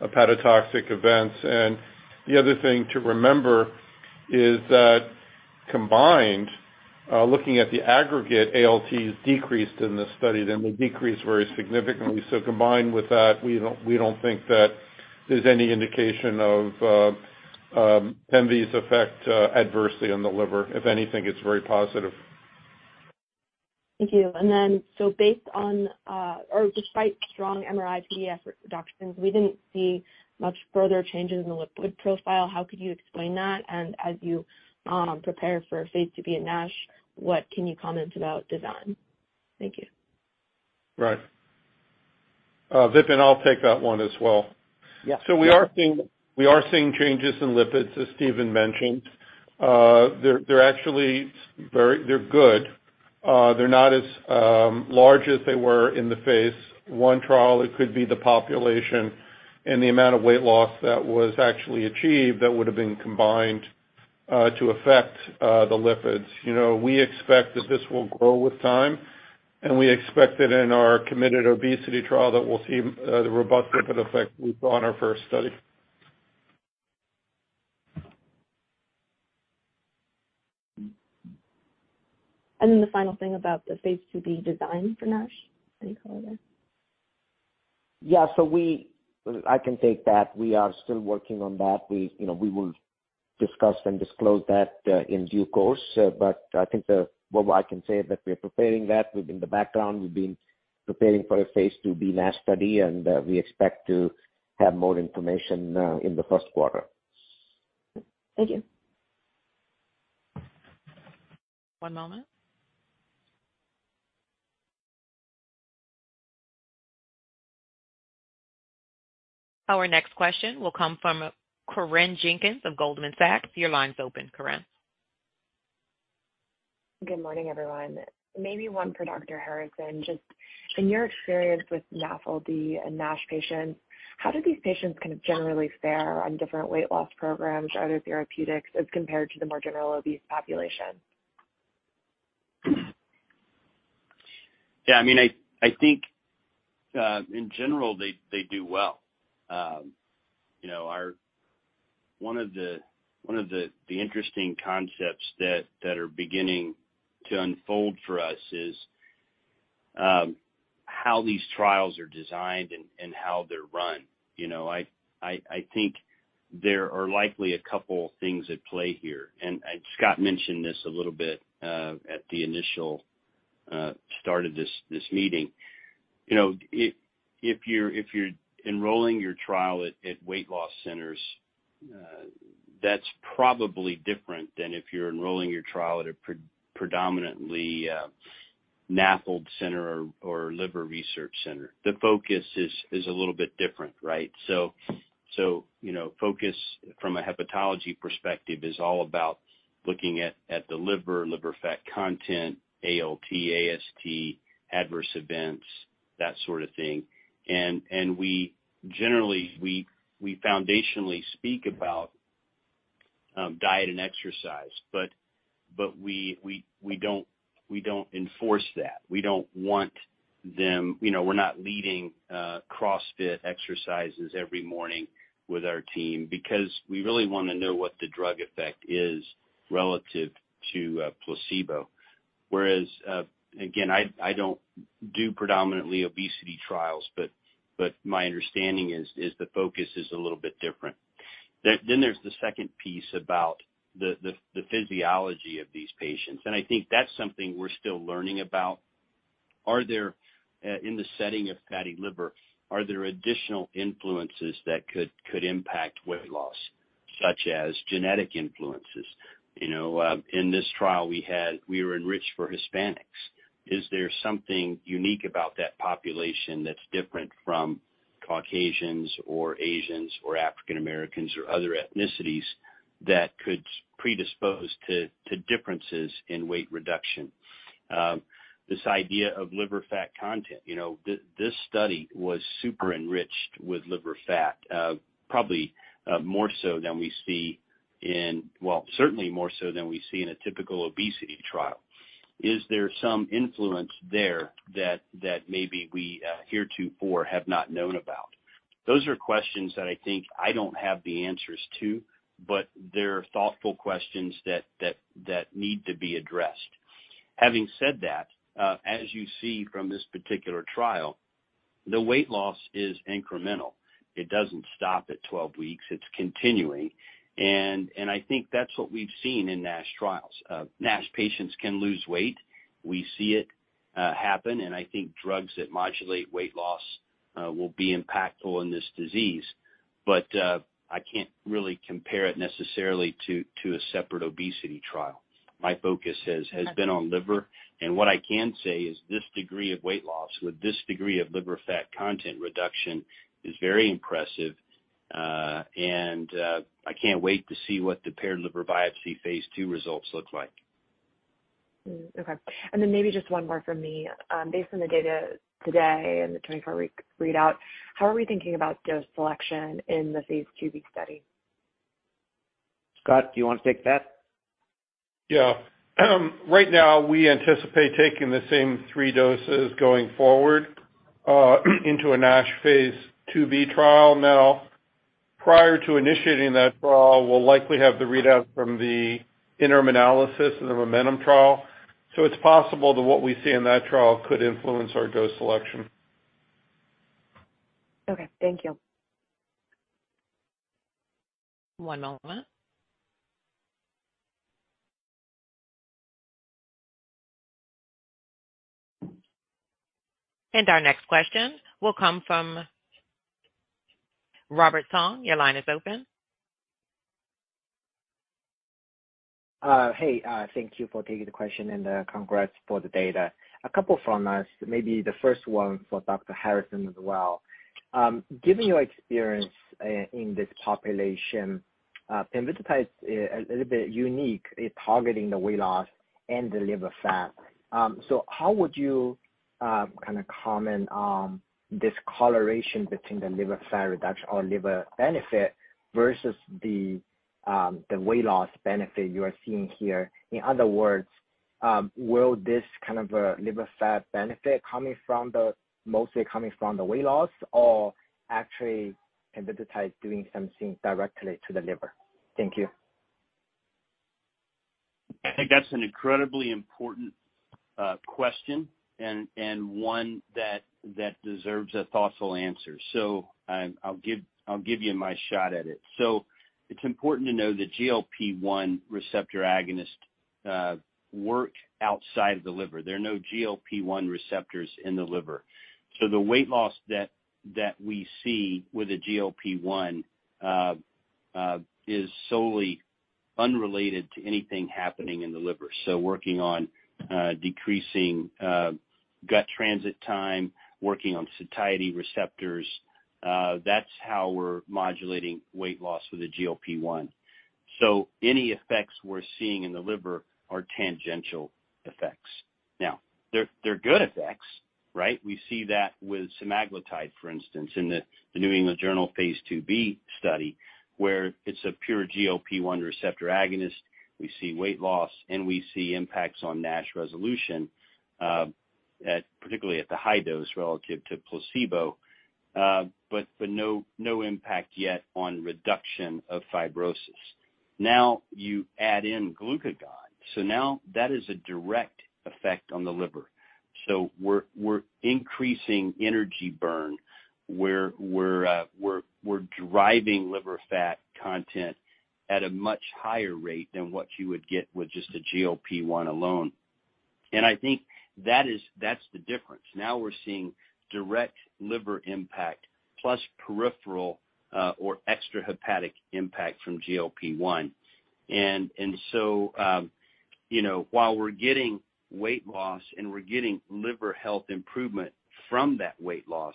hepatotoxic events. The other thing to remember is that combined, looking at the aggregate ALTs decreased in this study, then we decrease very significantly. Combined with that, we don't think that there's any indication of pemvi's effect adversely on the liver. If anything, it's very positive. Thank you. Based on, or despite strong MRI-PDFF reductions, we didn't see much further changes in the lipid profile. How could you explain that? As you prepare for phase II-B in NASH, what can you comment about design? Thank you. Right. Vipin, I'll take that one as well. Yeah. We are seeing changes in lipids, as Stephen mentioned. They're actually very good. They're not as large as they were in the phase I trial. It could be the population and the amount of weight loss that was actually achieved that would have been combined to affect the lipids. You know, we expect that this will grow with time, and we expect that in our committed obesity trial that we'll see the robust lipid effect we saw in our first study. The final thing about the phase II-B design for NASH, any color there? Yeah. I can take that. We are still working on that. We, you know, we will discuss and disclose that in due course. I think what I can say is that we're preparing that within the background. We've been preparing for a phase II-B NASH study. We expect to have more information in the first quarter. Thank you. One moment. Our next question will come from Corinne Johnson of Goldman Sachs. Your line's open, Corinne. Good morning, everyone. Maybe one for Dr. Harrison. Just in your experience with NAFLD and NASH patients, how do these patients kind of generally fare on different weight loss programs or other therapeutics as compared to the more general obese population? Yeah, I mean, I think in general, they do well. You know, one of the interesting concepts that are beginning to unfold for us is how these trials are designed and how they're run. You know, I, I think there are likely a couple things at play here, and Scott mentioned this a little bit at the initial start of this meeting. You know, if you're enrolling your trial at weight loss centers, that's probably different than if you're enrolling your trial at a predominantly NAFLD center or liver research center. The focus is a little bit different, right? You know, focus from a hepatology perspective is all about looking at the liver fat content, ALT, AST, adverse events, that sort of thing. We generally, we foundationally speak about diet and exercise, but we don't enforce that. You know, we're not leading CrossFit exercises every morning with our team because we really wanna know what the drug effect is relative to placebo. Again, I don't do predominantly obesity trials, but my understanding is the focus is a little bit different. Then there's the second piece about the physiology of these patients, I think that's something we're still learning about. Are there in the setting of fatty liver, are there additional influences that could impact weight loss, such as genetic influences? You know, in this trial we were enriched for Hispanics. Is there something unique about that population that's different from Caucasians or Asians or African Americans or other ethnicities that could predispose to differences in weight reduction? This idea of liver fat content. You know, this study was super enriched with liver fat, probably more so than we see in, well, certainly more so than we see in a typical obesity trial. Is there some influence there that maybe we heretofore have not known about? Those are questions that I think I don't have the answers to, but they're thoughtful questions that need to be addressed. Having said that, as you see from this particular trial, the weight loss is incremental. It doesn't stop at 12 weeks. It's continuing. I think that's what we've seen in NASH trials. NASH patients can lose weight. We see it happen, and I think drugs that modulate weight loss will be impactful in this disease. I can't really compare it necessarily to a separate obesity trial. My focus has been on liver. What I can say is this degree of weight loss with this degree of liver fat content reduction is very impressive. I can't wait to see what the paired liver biopsy phase II results look like. Okay. Maybe just one more from me. Based on the data today and the 24-week readout, how are we thinking about dose selection in the phase II-B study? Scott, do you wanna take that? Right now, we anticipate taking the same three doses going forward into a NASH phase II-B trial. Prior to initiating that trial, we'll likely have the readout from the interim analysis of the MOMENTUM trial. It's possible that what we see in that trial could influence our dose selection. Okay. Thank you. One moment. Our next question will come from Roger Song. Your line is open. Hey. Thank you for taking the question and congrats for the data. A couple from us, maybe the first one for Dr. Harrison as well. Given your experience in this population, pemvidutide is a little bit unique in targeting the weight loss and the liver fat. How would you kinda comment on this correlation between the liver fat reduction or liver benefit versus the weight loss benefit you are seeing here? In other words, will this kind of liver fat benefit coming from the mostly coming from the weight loss or actually pemvidutide doing something directly to the liver? Thank you. I think that's an incredibly important question and one that deserves a thoughtful answer. I'll give you my shot at it. It's important to know the GLP-1 receptor agonist work outside the liver. There are no GLP-1 receptors in the liver. The weight loss that we see with a GLP-1 is solely unrelated to anything happening in the liver. Working on decreasing gut transit time, working on satiety receptors, that's how we're modulating weight loss with a GLP-1. Any effects we're seeing in the liver are tangential effects. They're good effects, right? We see that with semaglutide, for instance, in the New England Journal phase II-B study, where it's a pure GLP-1 receptor agonist. We see weight loss. We see impacts on NASH resolution, particularly at the high dose relative to placebo. No impact yet on reduction of fibrosis. Now you add in glucagon. That is a direct effect on the liver. We're increasing energy burn where we're driving liver fat content at a much higher rate than what you would get with just a GLP-1 alone. I think that's the difference. Now we're seeing direct liver impact plus peripheral or extrahepatic impact from GLP-1. While we're getting weight loss and we're getting liver health improvement from that weight loss,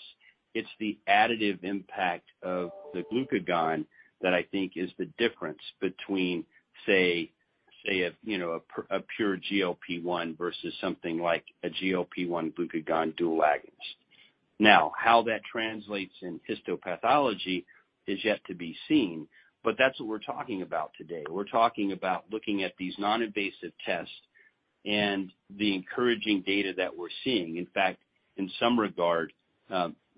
it's the additive impact of the glucagon that I think is the difference between a pure GLP-1 versus something like a GLP-1 glucagon dual agonist. How that translates in histopathology is yet to be seen, but that's what we're talking about today. We're talking about looking at these noninvasive tests and the encouraging data that we're seeing. In fact, in some regard,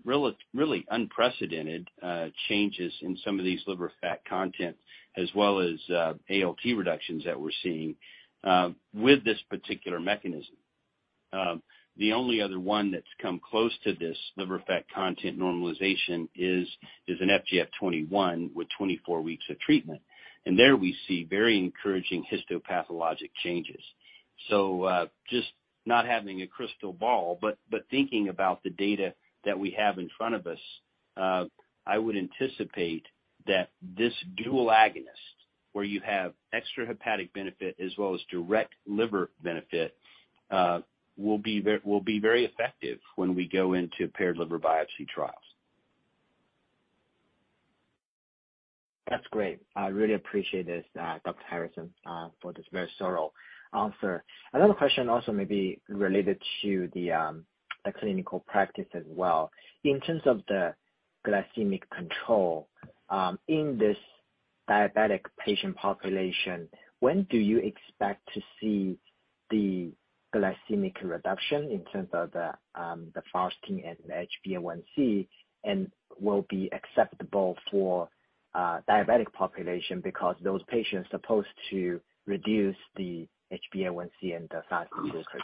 really unprecedented changes in some of these liver fat content as well as ALT reductions that we're seeing with this particular mechanism. The only other one that's come close to this liver fat content normalization is an FGF21 with 24 weeks of treatment. There we see very encouraging histopathologic changes. Just not having a crystal ball, but thinking about the data that we have in front of us, I would anticipate that this dual agonist, where you have extrahepatic benefit as well as direct liver benefit, will be very effective when we go into paired liver biopsy trials. That's great. I really appreciate this, Dr. Harrison, for this very thorough answer. Another question also may be related to the clinical practice as well. In terms of the glycemic control, in this diabetic patient population, when do you expect to see the glycemic reduction in terms of the fasting and HbA1c, and will be acceptable for diabetic population because those patients are supposed to reduce the HbA1c and the fasting glucose?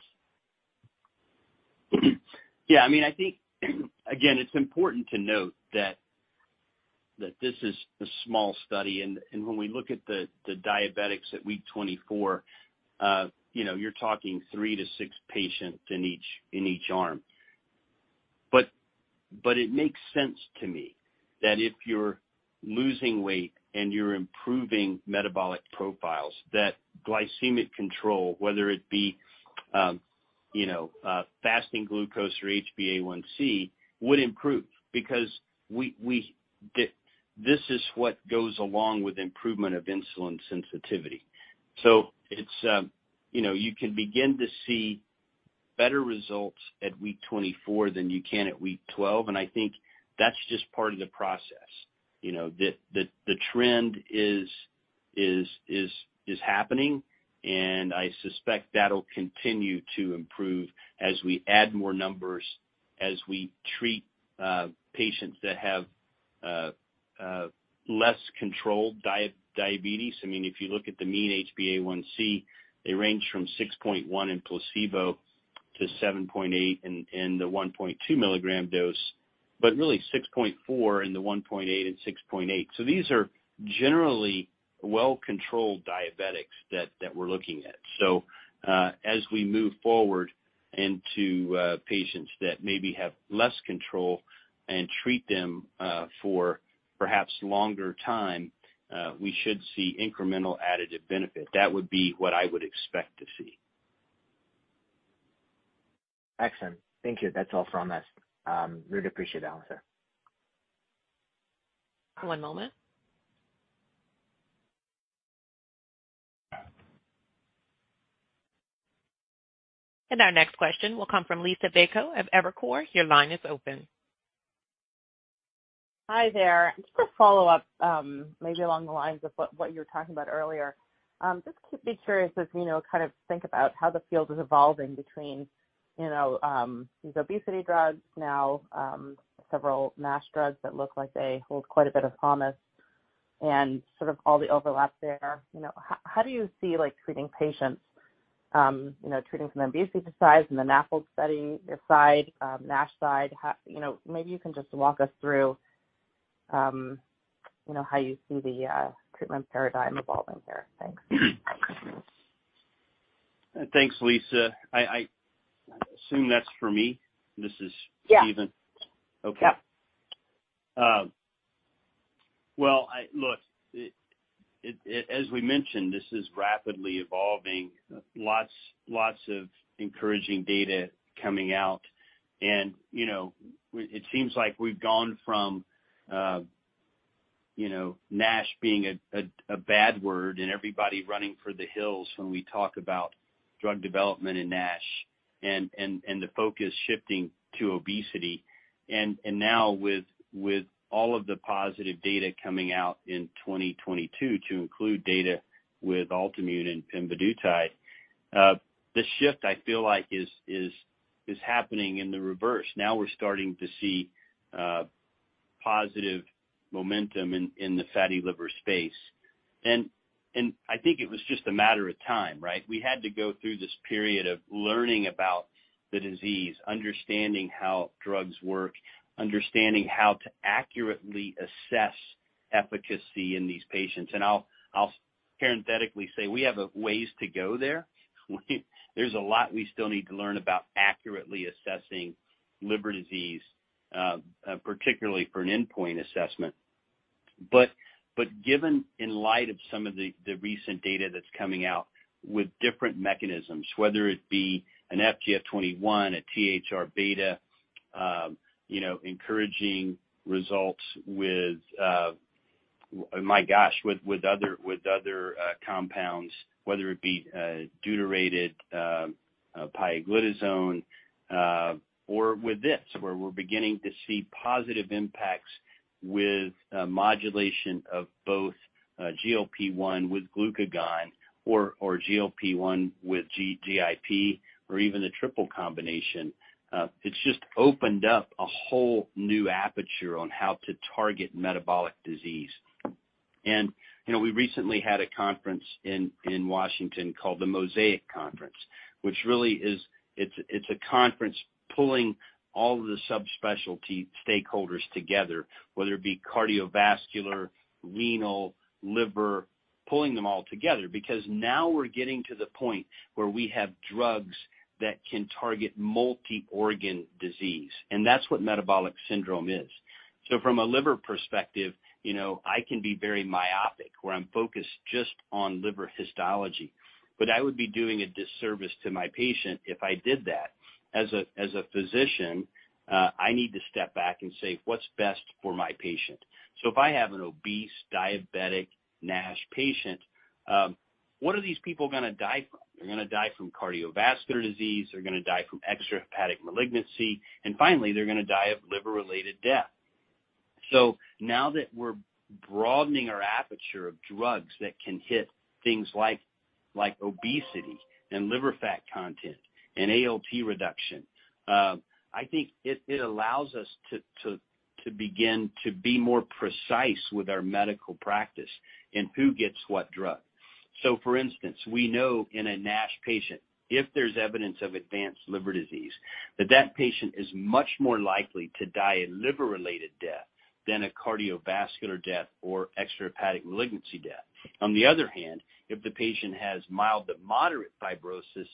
Yeah, I mean, I think, again, it's important to note that this is a small study. When we look at the diabetics at week 24, you know, you're talking three to six patients in each arm. It makes sense to me that if you're losing weight and you're improving metabolic profiles, that glycemic control, whether it be, you know, fasting glucose or HbA1c would improve because this is what goes along with improvement of insulin sensitivity. It's, you know, you can begin to see better results at week 24 than you can at week 12, and I think that's just part of the process. You know, the trend is happening, and I suspect that'll continue to improve as we add more numbers, as we treat patients that have less controlled diabetes. I mean, if you look at the mean HbA1c, they range from 6.1% in placebo to 7.8% in the 1.2 mg dose, but really 6.4% in the 1.8 mg and 6.8%. These are generally well-controlled diabetics that we're looking at. As we move forward into patients that maybe have less control and treat them for perhaps longer time, we should see incremental additive benefit. That would be what I would expect to see. Excellent. Thank you. That's all from us. Really appreciate the answer. One moment. Our next question will come from Liisa Bayko of Evercore. Your line is open. Hi there. Just a follow-up, maybe along the lines of what you were talking about earlier. Just to be curious as you know, kind of think about how the field is evolving between, you know, these Obesity drugs now, several MASH drugs that look like they hold quite a bit of promise and sort of all the overlap there. You know, how do you see, like, treating patients, you know, treating from the obesity side, from the NAFL study, your side, MASH side? How you know, maybe you can just walk us through, you know, how you see the treatment paradigm evolving there. Thanks. Thanks, Liisa. I assume that's for me. This is Stephen. Yeah. Okay. Yeah. Well, look, as we mentioned, this is rapidly evolving. Lots of encouraging data coming out. You know, it seems like we've gone from, you know, NASH being a bad word and everybody running for the hills when we talk about drug development in NASH and the focus shifting to Obesity. Now with all of the positive data coming out in 2022 to include data with Altimmune and pemvidutide, the shift I feel like is happening in the reverse. Now we're starting to see positive momentum in the fatty liver space. I think it was just a matter of time, right? We had to go through this period of learning about the disease, understanding how drugs work, understanding how to accurately assess efficacy in these patients. I'll parenthetically say, we have a ways to go there. There's a lot we still need to learn about accurately assessing liver disease, particularly for an endpoint assessment. Given in light of some of the recent data that's coming out with different mechanisms, whether it be an FGF21, a THR-β, you know, encouraging results with my gosh, with other compounds, whether it be a deuterated pioglitazone, or with this, where we're beginning to see positive impacts with modulation of both GLP-1 with glucagon or GLP-1 with GIP or even a triple combination. It's just opened up a whole new aperture on how to target metabolic disease. You know, we recently had a conference in Washington called the Mosaic Conference, which really it's a conference pulling all of the subspecialty stakeholders together, whether it be cardiovascular, renal, liver, pulling them all together, because now we're getting to the point where we have drugs that can target multi-organ disease, and that's what metabolic syndrome is. From a liver perspective, you know, I can be very myopic, where I'm focused just on liver histology, but I would be doing a disservice to my patient if I did that. As a physician, I need to step back and say, "What's best for my patient?" If I have an obese diabetic NASH patient, what are these people gonna die from? They're gonna die from cardiovascular disease, they're gonna die from extrahepatic malignancy, and finally, they're gonna die of liver-related death. Now that we're broadening our aperture of drugs that can hit things like obesity and liver fat content and ALP reduction, I think it allows us to begin to be more precise with our medical practice in who gets what drug. For instance, we know in a NASH patient, if there's evidence of advanced liver disease, that patient is much more likely to die a liver-related death than a cardiovascular death or extrahepatic malignancy death. On the other hand, if the patient has mild to moderate fibrosis,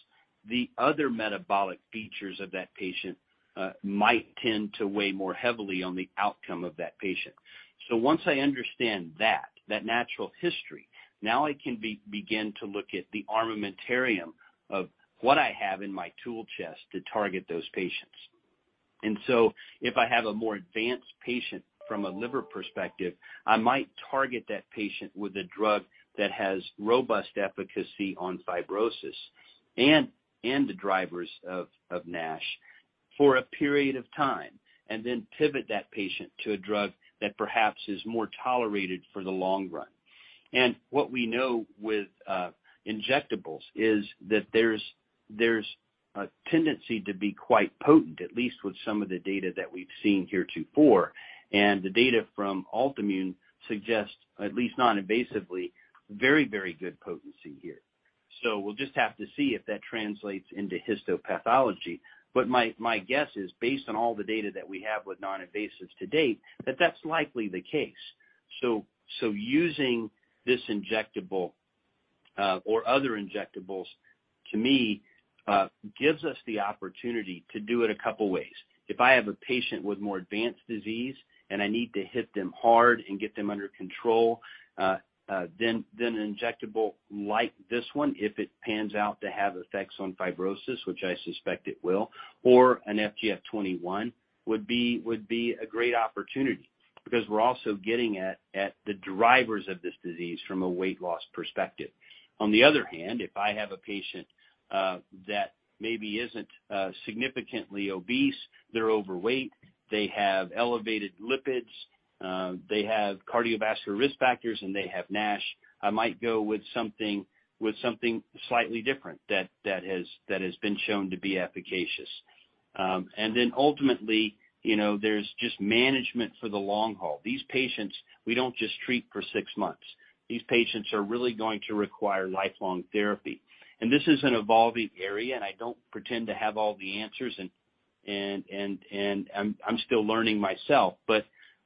the other metabolic features of that patient might tend to weigh more heavily on the outcome of that patient. Once I understand that natural history, now I can begin to look at the armamentarium of what I have in my tool chest to target those patients. If I have a more advanced patient from a liver perspective, I might target that patient with a drug that has robust efficacy on fibrosis and the drivers of NASH for a period of time, and then pivot that patient to a drug that perhaps is more tolerated for the long run. What we know with injectables is that there's a tendency to be quite potent, at least with some of the data that we've seen heretofore. The data from Altimmune suggests, at least noninvasively, very, very good potency here. We'll just have to see if that translates into histopathology. My guess is, based on all the data that we have with non-invasive to date, that that's likely the case. Using this injectable, or other injectables, to me, gives us the opportunity to do it a couple ways. If I have a patient with more advanced disease and I need to hit them hard and get them under control, then an injectable like this one, if it pans out to have effects on fibrosis, which I suspect it will, or an FGF21 would be a great opportunity because we're also getting at the drivers of this disease from a weight loss perspective. On the other hand, if I have a patient that maybe isn't significantly obese, they're overweight, they have elevated lipids, they have cardiovascular risk factors, and they have NASH, I might go with something slightly different that has been shown to be efficacious. Ultimately, you know, there's just management for the long haul. These patients, we don't just treat for six months. These patients are really going to require lifelong therapy. This is an evolving area, and I don't pretend to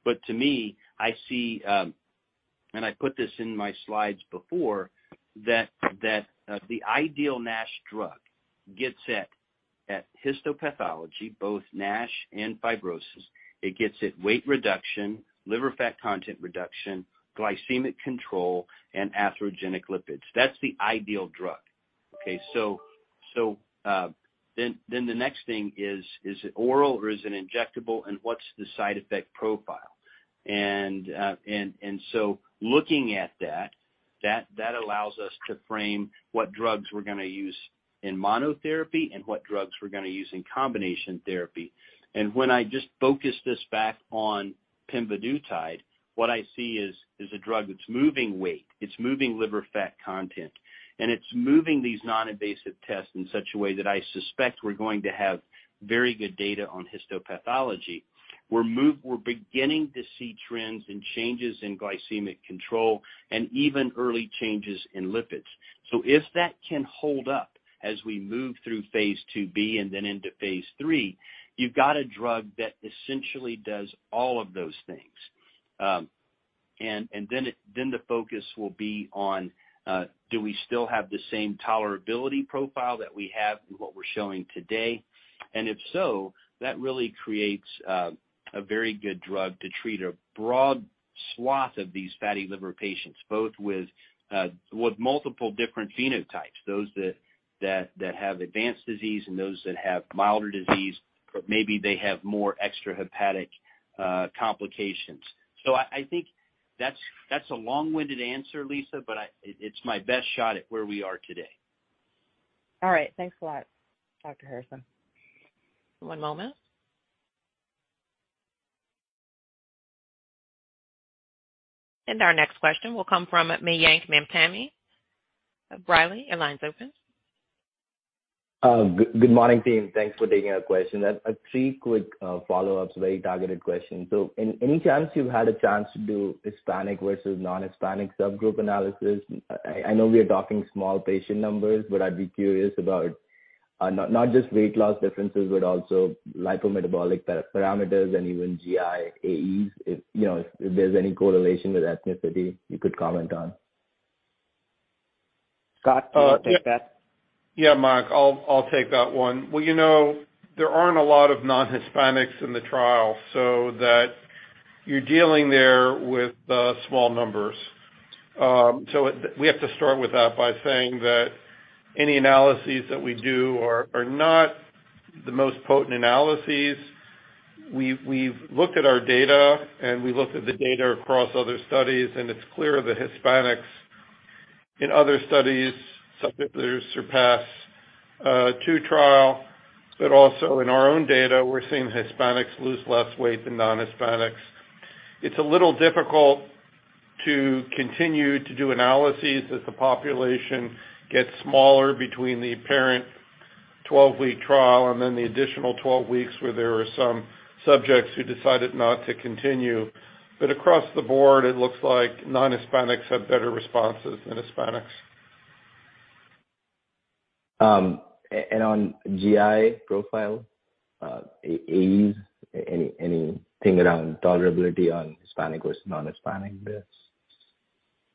have all the answers, and I'm still learning myself. To me, I see, and I put this in my slides before, that the ideal NASH drug gets at histopathology, both NASH and fibrosis. It gets at weight reduction, liver fat content reduction, glycemic control, and atherogenic lipids. That's the ideal drug. The next thing is it oral or is it injectable, and what's the side effect profile? Looking at that allows us to frame what drugs we're gonna use in monotherapy and what drugs we're gonna use in combination therapy. When I just focus this back on pemvidutide, what I see is a drug that's moving weight, it's moving liver fat content, and it's moving these non-invasive tests in such a way that I suspect we're going to have very good data on histopathology. We're beginning to see trends and changes in glycemic control and even early changes in lipids. If that can hold up as we move through phase II-B and then into phase III, you've got a drug that essentially does all of those things. Then the focus will be on, do we still have the same tolerability profile that we have and what we're showing today? If so, that really creates a very good drug to treat a broad swath of these fatty liver patients, both with multiple different phenotypes, those that have advanced disease and those that have milder disease, but maybe they have more extrahepatic complications. I think that's a long-winded answer, Lisa, but it's my best shot at where we are today. All right. Thanks a lot, Dr. Harrison. One moment. Our next question will come from Mayank Mamtani of B. Riley. Your line's open. Good morning, team. Thanks for taking our question. I have three quick follow-ups, very targeted questions. Any chance you've had a chance to do Hispanic versus non-Hispanic subgroup analysis? I know we are talking small patient numbers, but I'd be curious about not just weight loss differences but also lipometabolic parameters and even GI AEs, if, you know, if there's any correlation with ethnicity you could comment on. Scott, do you wanna take that? Yeah, Mayank, I'll take that one. Well, you know, there aren't a lot of non-Hispanics in the trial so that you're dealing there with small numbers. We have to start with that by saying that any analyses that we do are not the most potent analyses. We've looked at our data, and we looked at the data across other studies, and it's clear the Hispanics in other studies, subjects that are surpassed to trial. Also in our own data, we're seeing Hispanics lose less weight than non-Hispanics. It's a little difficult to continue to do analyses as the population gets smaller between the parent 12-week trial and then the additional 12 weeks where there are some subjects who decided not to continue. Across the board, it looks like non-Hispanics have better responses than Hispanics. On GI profile, AE, anything around tolerability on Hispanic versus non-Hispanic bits?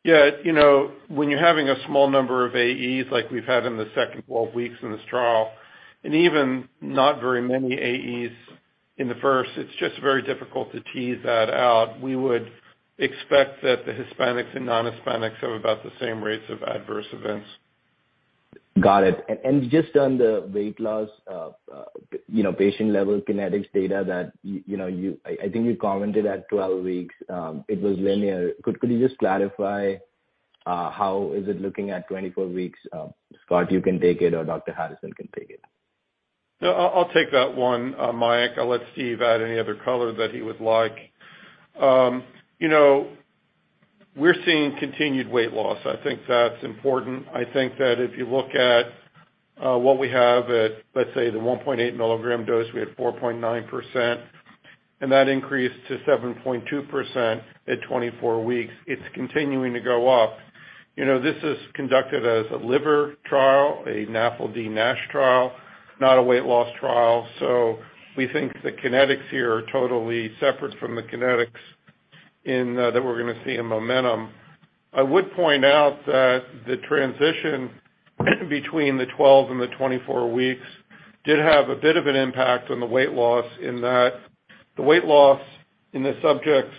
Yeah. You know, when you're having a small number of AEs like we've had in the second 12 weeks in this trial, and even not very many AEs in the first, it's just very difficult to tease that out. We would expect that the Hispanics and non-Hispanics have about the same rates of adverse events. Got it. Just on the weight loss, you know, patient-level kinetics data that you know, I think you commented at 12 weeks, it was linear. Could you just clarify, how is it looking at 24 weeks? Scott, you can take it or Dr. Harrison can take it. No, I'll take that one, Mayank. I'll let Steve add any other color that he would like. You know, we're seeing continued weight loss. I think that's important. I think that if you look at what we have at, let's say, the 1.8 mg dose, we had 4.9%. That increased to 7.2% at 24 weeks. It's continuing to go up. You know, this is conducted as a liver trial, a NAFLD/NASH trial, not a weight loss trial. We think the kinetics here are totally separate from the kinetics in that we're gonna see in MOMENTUM. I would point out that the transition between the 12 and the 24 weeks did have a bit of an impact on the weight loss in that the weight loss in the subjects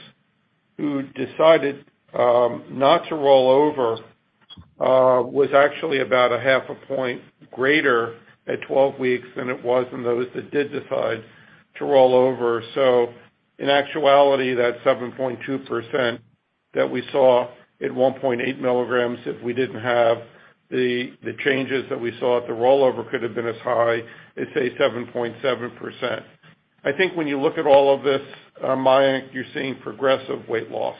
who decided not to roll over was actually about 0.5% greater at 12 weeks than it was in those that did decide to roll over. In actuality, that 7.2% that we saw at 1.8 mg, if we didn't have the changes that we saw at the rollover could have been as high as, say, 7.7%. I think when you look at all of this, Mayank, you're seeing progressive weight loss,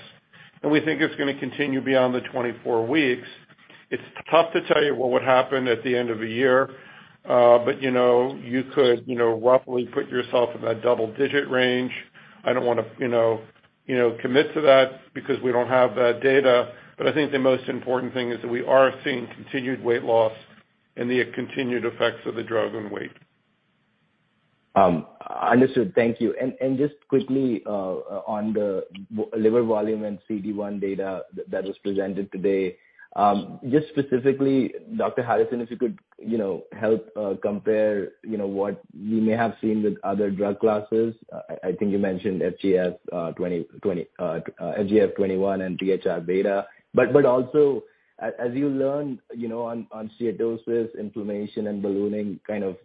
and we think it's gonna continue beyond the 24 weeks. It's tough to tell you what would happen at the end of a year, you know, you could, roughly put yourself in that double digit range. I don't wanna, you know, commit to that because we don't have that data. I think the most important thing is that we are seeing continued weight loss and the continued effects of the drug and weight. Understood. Thank you. Just quickly, on the liver volume and cT1 data that was presented today, just specifically, Dr. Stephen Harrison, if you could, you know, help compare, you know, what you may have seen with other drug classes. I think you mentioned FGF21 and THR-β. Also as you learn, you know, on cirrhosis, inflammation and ballooning kind of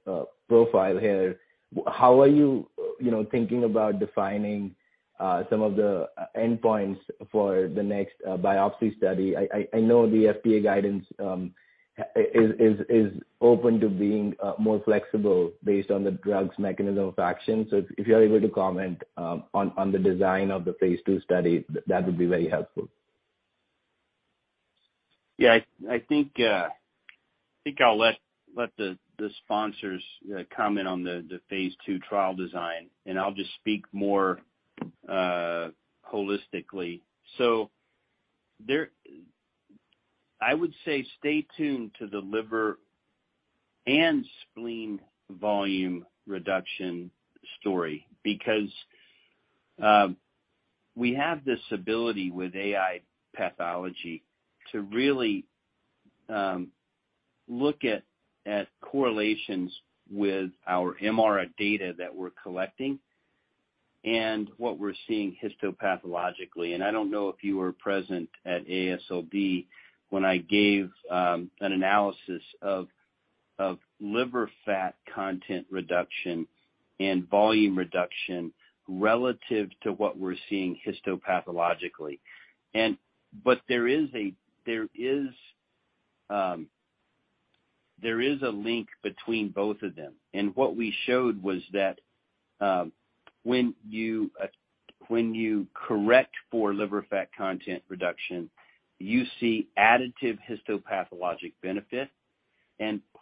profile here, how are you know, thinking about defining some of the endpoints for the next biopsy study? I know the FDA guidance is open to being more flexible based on the drug's mechanism of action. If you're able to comment on the design of the phase II study, that would be very helpful. Yeah, I think I'll let the sponsors comment on the phase II trial design, and I'll just speak more holistically. I would say stay tuned to the liver and spleen volume reduction story because we have this ability with AI pathology to really look at correlations with our MRI data that we're collecting and what we're seeing histopathologically. I don't know if you were present at AASLD when I gave an analysis of liver fat content reduction and volume reduction relative to what we're seeing histopathologically. There is a link between both of them. What we showed was that when you correct for liver fat content reduction, you see additive histopathologic benefit.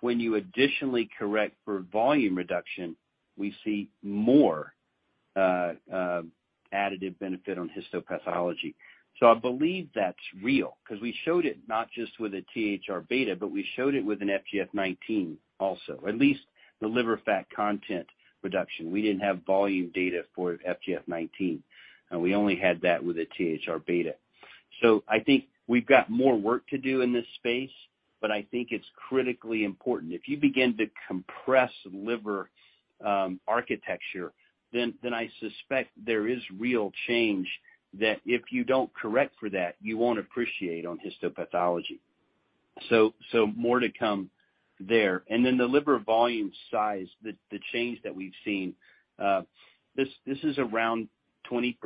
When you additionally correct for volume reduction, we see more additive benefit on histopathology. I believe that's real because we showed it not just with a THR-β, but we showed it with an FGF19 also, at least the liver fat content reduction. We didn't have volume data for FGF19, and we only had that with a THR-β. I think we've got more work to do in this space, but I think it's critically important. If you begin to compress liver architecture, then I suspect there is real change that if you don't correct for that, you won't appreciate on histopathology. More to come there. Then the liver volume size, the change that we've seen, this is around 20%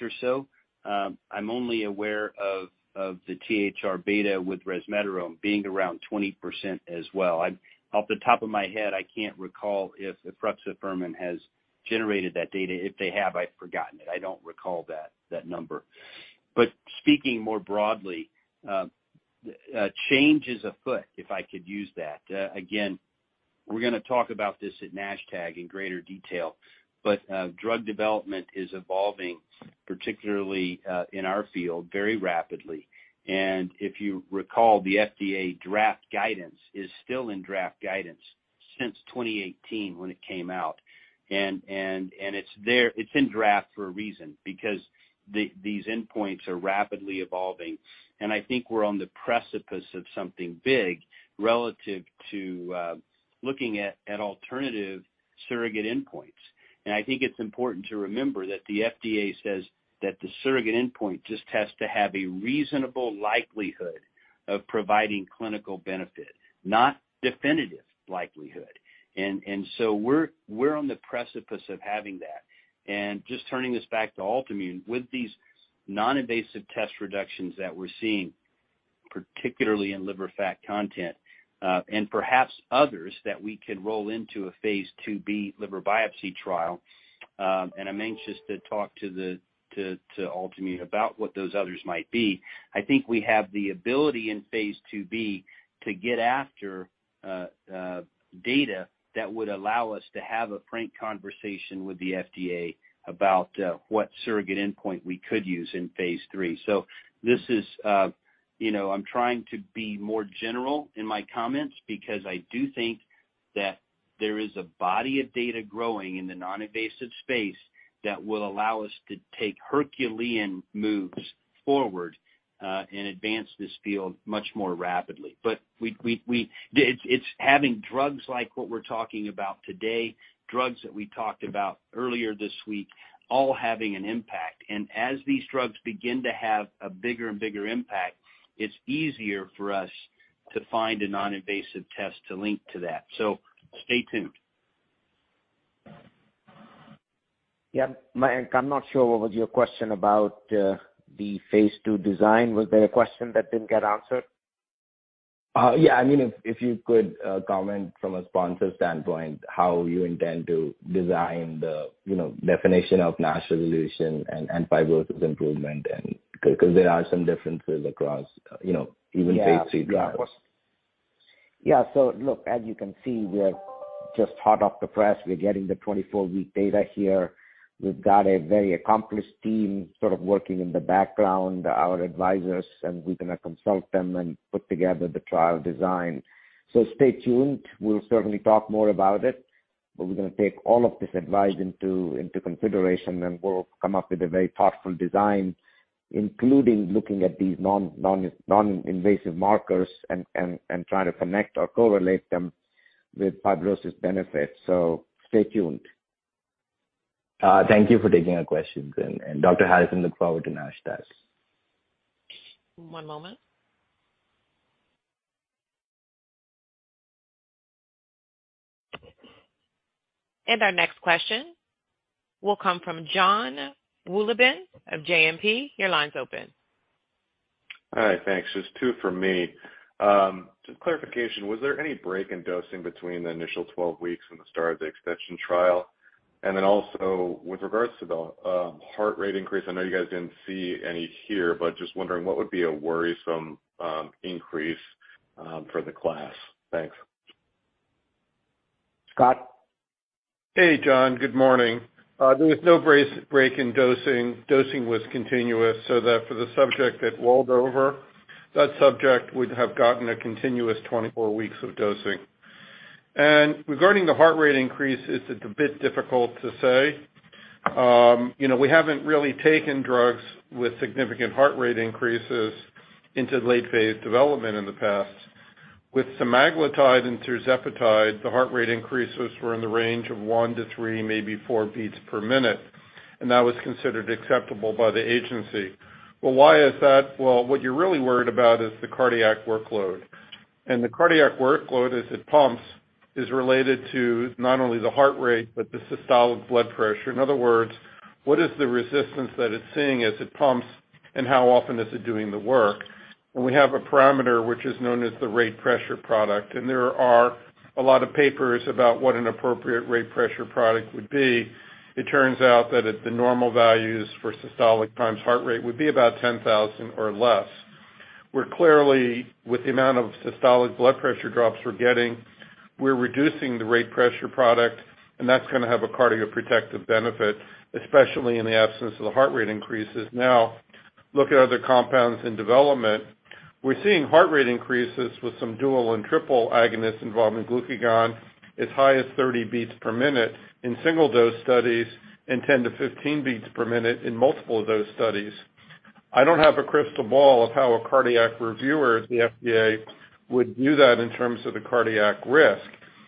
or so. I'm only aware of the THR-β with resmetirom being around 20% as well. Off the top of my head, I can't recall if efruxifermin has generated that data. If they have, I've forgotten it. I don't recall that number. Speaking more broadly, change is afoot, if I could use that. Again, we're gonna talk about this at NASH-TAG in greater detail, but drug development is evolving, particularly in our field, very rapidly. If you recall, the FDA draft guidance is still in draft guidance since 2018 when it came out. It's there, it's in draft for a reason, because these endpoints are rapidly evolving. I think we're on the precipice of something big relative to looking at alternative surrogate endpoints. I think it's important to remember that the FDA says that the surrogate endpoint just has to have a reasonable likelihood of providing clinical benefit, not definitive likelihood. So we're on the precipice of having that. Just turning this back to Altimmune, with these non-invasive test reductions that we're seeing, particularly in liver fat content, and perhaps others that we could roll into a phase II-B liver biopsy trial, and I'm anxious to talk to Altimmune about what those others might be. I think we have the ability in phase II-B to get after data that would allow us to have a frank conversation with the FDA about what surrogate endpoint we could use in phase III. This is, you know, I'm trying to be more general in my comments because I do think that there is a body of data growing in the non-invasive space that will allow us to take Herculean moves forward and advance this field much more rapidly. It's having drugs like what we're talking about today, drugs that we talked about earlier this week, all having an impact. As these drugs begin to have a bigger and bigger impact, it's easier for us to find a non-invasive test to link to that. Stay tuned. Yeah. Mayank, I'm not sure what was your question about the phase II design. Was there a question that didn't get answered? Yeah. I mean, if you could comment from a sponsor standpoint how you intend to design the, you know, definition of NASH resolution and fibrosis improvement and... There are some differences across, you know... Yeah. Even phase III trials. Yeah. Look, as you can see, we're just hot off the press. We're getting the 24-week data here. We've got a very accomplished team sort of working in the background, our advisors, and we're gonna consult them and put together the trial design. Stay tuned. We'll certainly talk more about it, but we're gonna take all of this advice into consideration, and we'll come up with a very thoughtful design, including looking at these non-invasive markers and trying to connect or correlate them with fibrosis benefits. Stay tuned. Thank you for taking our questions. Dr. Harrison look forward to NASH-TAG. One moment. Our next question will come from Jon Wolleben of JMP. Your line's open. Hi. Thanks. Just two for me. Just clarification, was there any break in dosing between the initial 12 weeks and the start of the extension trial? Then also with regards to the heart rate increase, I know you guys didn't see any here, but just wondering what would be a worrisome increase for the class? Thanks. Scott. Hey, Jon. Good morning. There was no break in dosing. Dosing was continuous so that for the subject that walled over, that subject would have gotten a continuous 24 weeks of dosing. Regarding the heart rate increase, it's a bit difficult to say. You know, we haven't really taken drugs with significant heart rate increases into late phase development in the past. With semaglutide and tirzepatide, the heart rate increases were in the range of 1 BPM-3 BPM, maybe 4 BPM, and that was considered acceptable by the agency. Well, why is that? Well, what you're really worried about is the cardiac workload. The cardiac workload as it pumps is related to not only the heart rate but the systolic blood pressure. In other words, what is the resistance that it's seeing as it pumps and how often is it doing the work? We have a parameter which is known as the rate pressure product, and there are a lot of papers about what an appropriate rate pressure product would be. It turns out that at the normal values for systolic times heart rate would be about 10,000 or less. We're clearly, with the amount of systolic blood pressure drops we're getting, we're reducing the rate pressure product, and that's going to have a cardioprotective benefit, especially in the absence of the heart rate increases. Look at other compounds in development. We're seeing heart rate increases with some dual and triple agonists involving glucagon as high as 30 BPM in single-dose studies and 10 BPM-15 BPM in multiple of those studies. I don't have a crystal ball of how a cardiac reviewer at the FDA would view that in terms of the cardiac risk.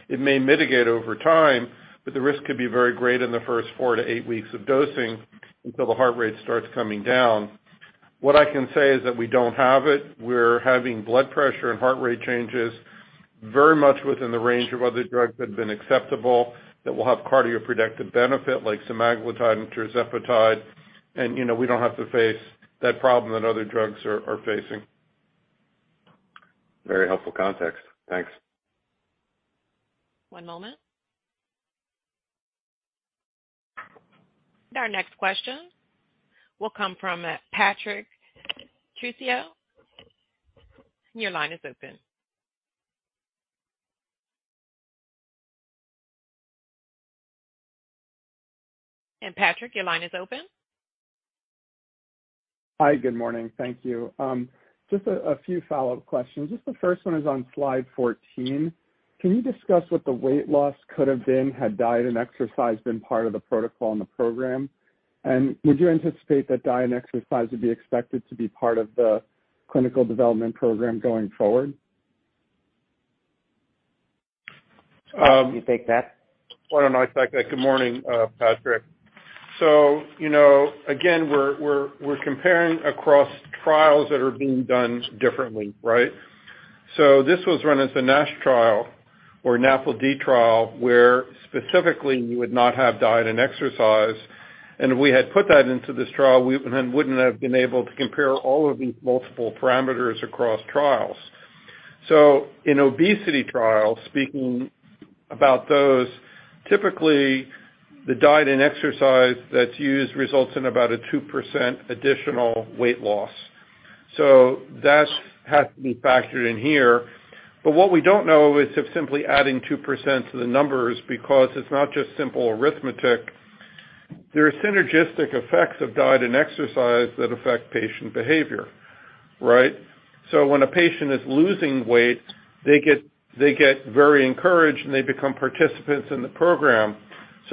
It may mitigate over time, but the risk could be very great in the first four to eight weeks of dosing until the heart rate starts coming down. What I can say is that we don't have it. We're having blood pressure and heart rate changes very much within the range of other drugs that have been acceptable that will have cardioprotective benefit like semaglutide and tirzepatide. You know, we don't have to face that problem that other drugs are facing. Very helpful context. Thanks. One moment. Our next question will come from Patrick Trucchio. Your line is open. Patrick, your line is open. Hi. Good morning. Thank you. Just a few follow-up questions. Just the first one is on slide 14. Can you discuss what the weight loss could have been had diet and exercise been part of the protocol in the program? Would you anticipate that diet and exercise would be expected to be part of the clinical development program going forward? You take that. Why don't I take that? Good morning, Patrick. You know, again, we're comparing across trials that are being done differently, right? This was run as a NASH trial or a NAFLD trial, where specifically you would not have diet and exercise. If we had put that into this trial, we then wouldn't have been able to compare all of these multiple parameters across trials. In Obesity trials, speaking about those, typically the diet and exercise that's used results in about a 2% additional weight loss. That has to be factored in here. What we don't know is if simply adding 2% to the numbers because it's not just simple arithmetic. There are synergistic effects of diet and exercise that affect patient behavior, right? When a patient is losing weight, they get very encouraged, and they become participants in the program.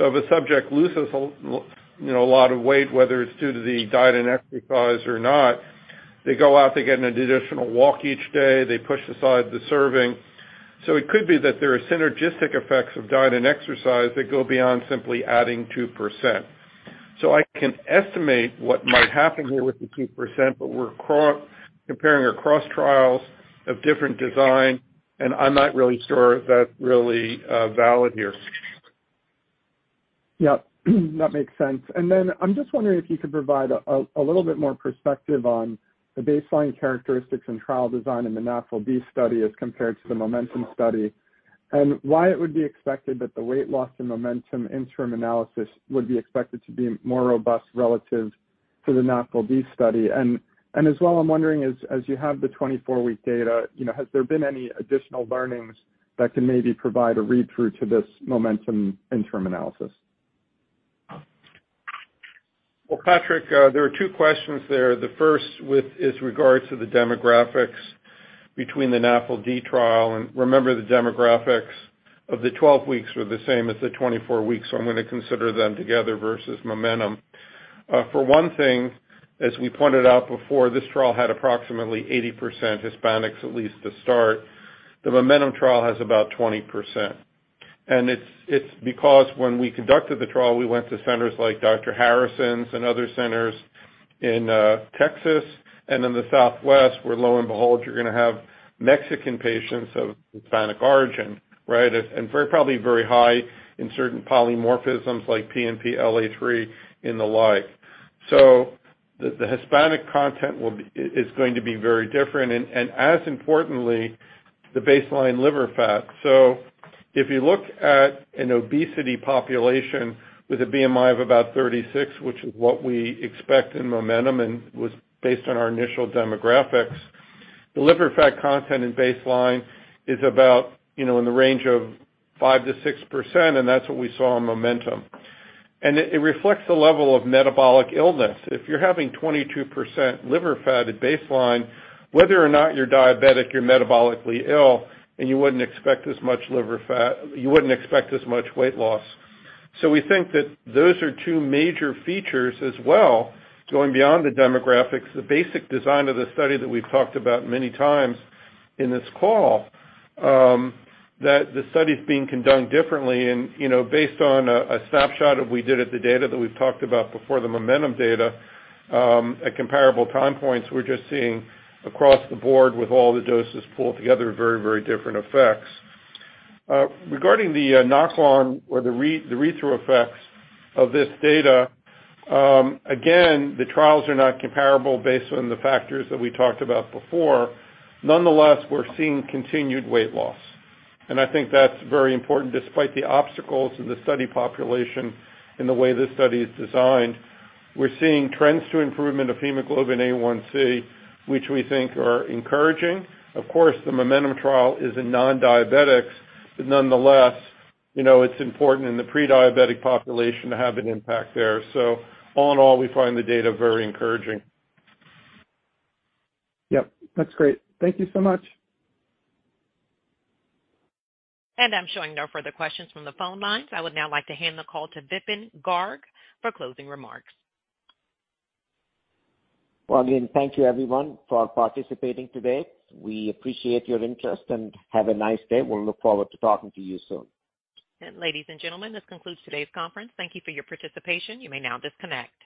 If a subject loses you know, a lot of weight, whether it's due to the diet and exercise or not, they go out, they get an additional walk each day, they push aside the serving. It could be that there are synergistic effects of diet and exercise that go beyond simply adding 2%. I can estimate what might happen here with the 2%, but we're comparing across trials of different design, and I'm not really sure that's really valid here. Yeah. That makes sense. Then I'm just wondering if you could provide a little bit more perspective on the baseline characteristics and trial design in the NAFLD study as compared to the MOMENTUM study, and why it would be expected that the weight loss in MOMENTUM interim analysis would be expected to be more robust relative to the NAFLD study. As well, I'm wondering as you have the 24-week data, you know, has there been any additional learnings that can maybe provide a read-through to this MOMENTUM interim analysis? Well, Patrick, there are two questions there. The first is regards to the demographics between the NAFLD trial. Remember, the demographics of the 12 weeks were the same as the 24 weeks, so I'm going to consider them together versus MOMENTUM. For one thing, as we pointed out before, this trial had approximately 80% Hispanics, at least to start. The MOMENTUM trial has about 20%. It's because when we conducted the trial, we went to centers like Dr. Harrison's and other centers in Texas and in the Southwest, where lo and behold, you're going to have Mexican patients of Hispanic origin, right? Very, probably very high in certain polymorphisms like PNPLA3 and the like. The Hispanic content is going to be very different and, as importantly, the baseline liver fat. If you look at an obesity population with a BMI of about 36, which is what we expect in MOMENTUM and was based on our initial demographics, the liver fat content in baseline is about, you know, in the range of 5%-6%, and that's what we saw in MOMENTUM. It reflects the level of metabolic illness. If you're having 22% liver fat at baseline, whether or not you're diabetic, you're metabolically ill, and you wouldn't expect as much liver fat, you wouldn't expect as much weight loss. We think that those are two major features as well, going beyond the demographics, the basic design of the study that we've talked about many times in this call, that the study's being conducted differently and, you know, based on a snapshot that we did at the data that we've talked about before, the MOMENTUM data, at comparable time points, we're just seeing across the board with all the doses pulled together very, very different effects. Regarding the knock on or the rethrough effects of this data, again, the trials are not comparable based on the factors that we talked about before. Nonetheless, we're seeing continued weight loss. I think that's very important despite the obstacles in the study population in the way this study is designed. We're seeing trends to improvement of hemoglobin A1c, which we think are encouraging. Of course, the MOMENTUM trial is in non-diabetics, nonetheless, you know, it's important in the pre-diabetic population to have an impact there. All in all, we find the data very encouraging. Yep. That's great. Thank you so much. I'm showing no further questions from the phone lines. I would now like to hand the call to Vipin Garg for closing remarks. Well, again, thank you everyone for participating today. We appreciate your interest, and have a nice day. We'll look forward to talking to you soon. Ladies and gentlemen, this concludes today's conference. Thank you for your participation. You may now disconnect.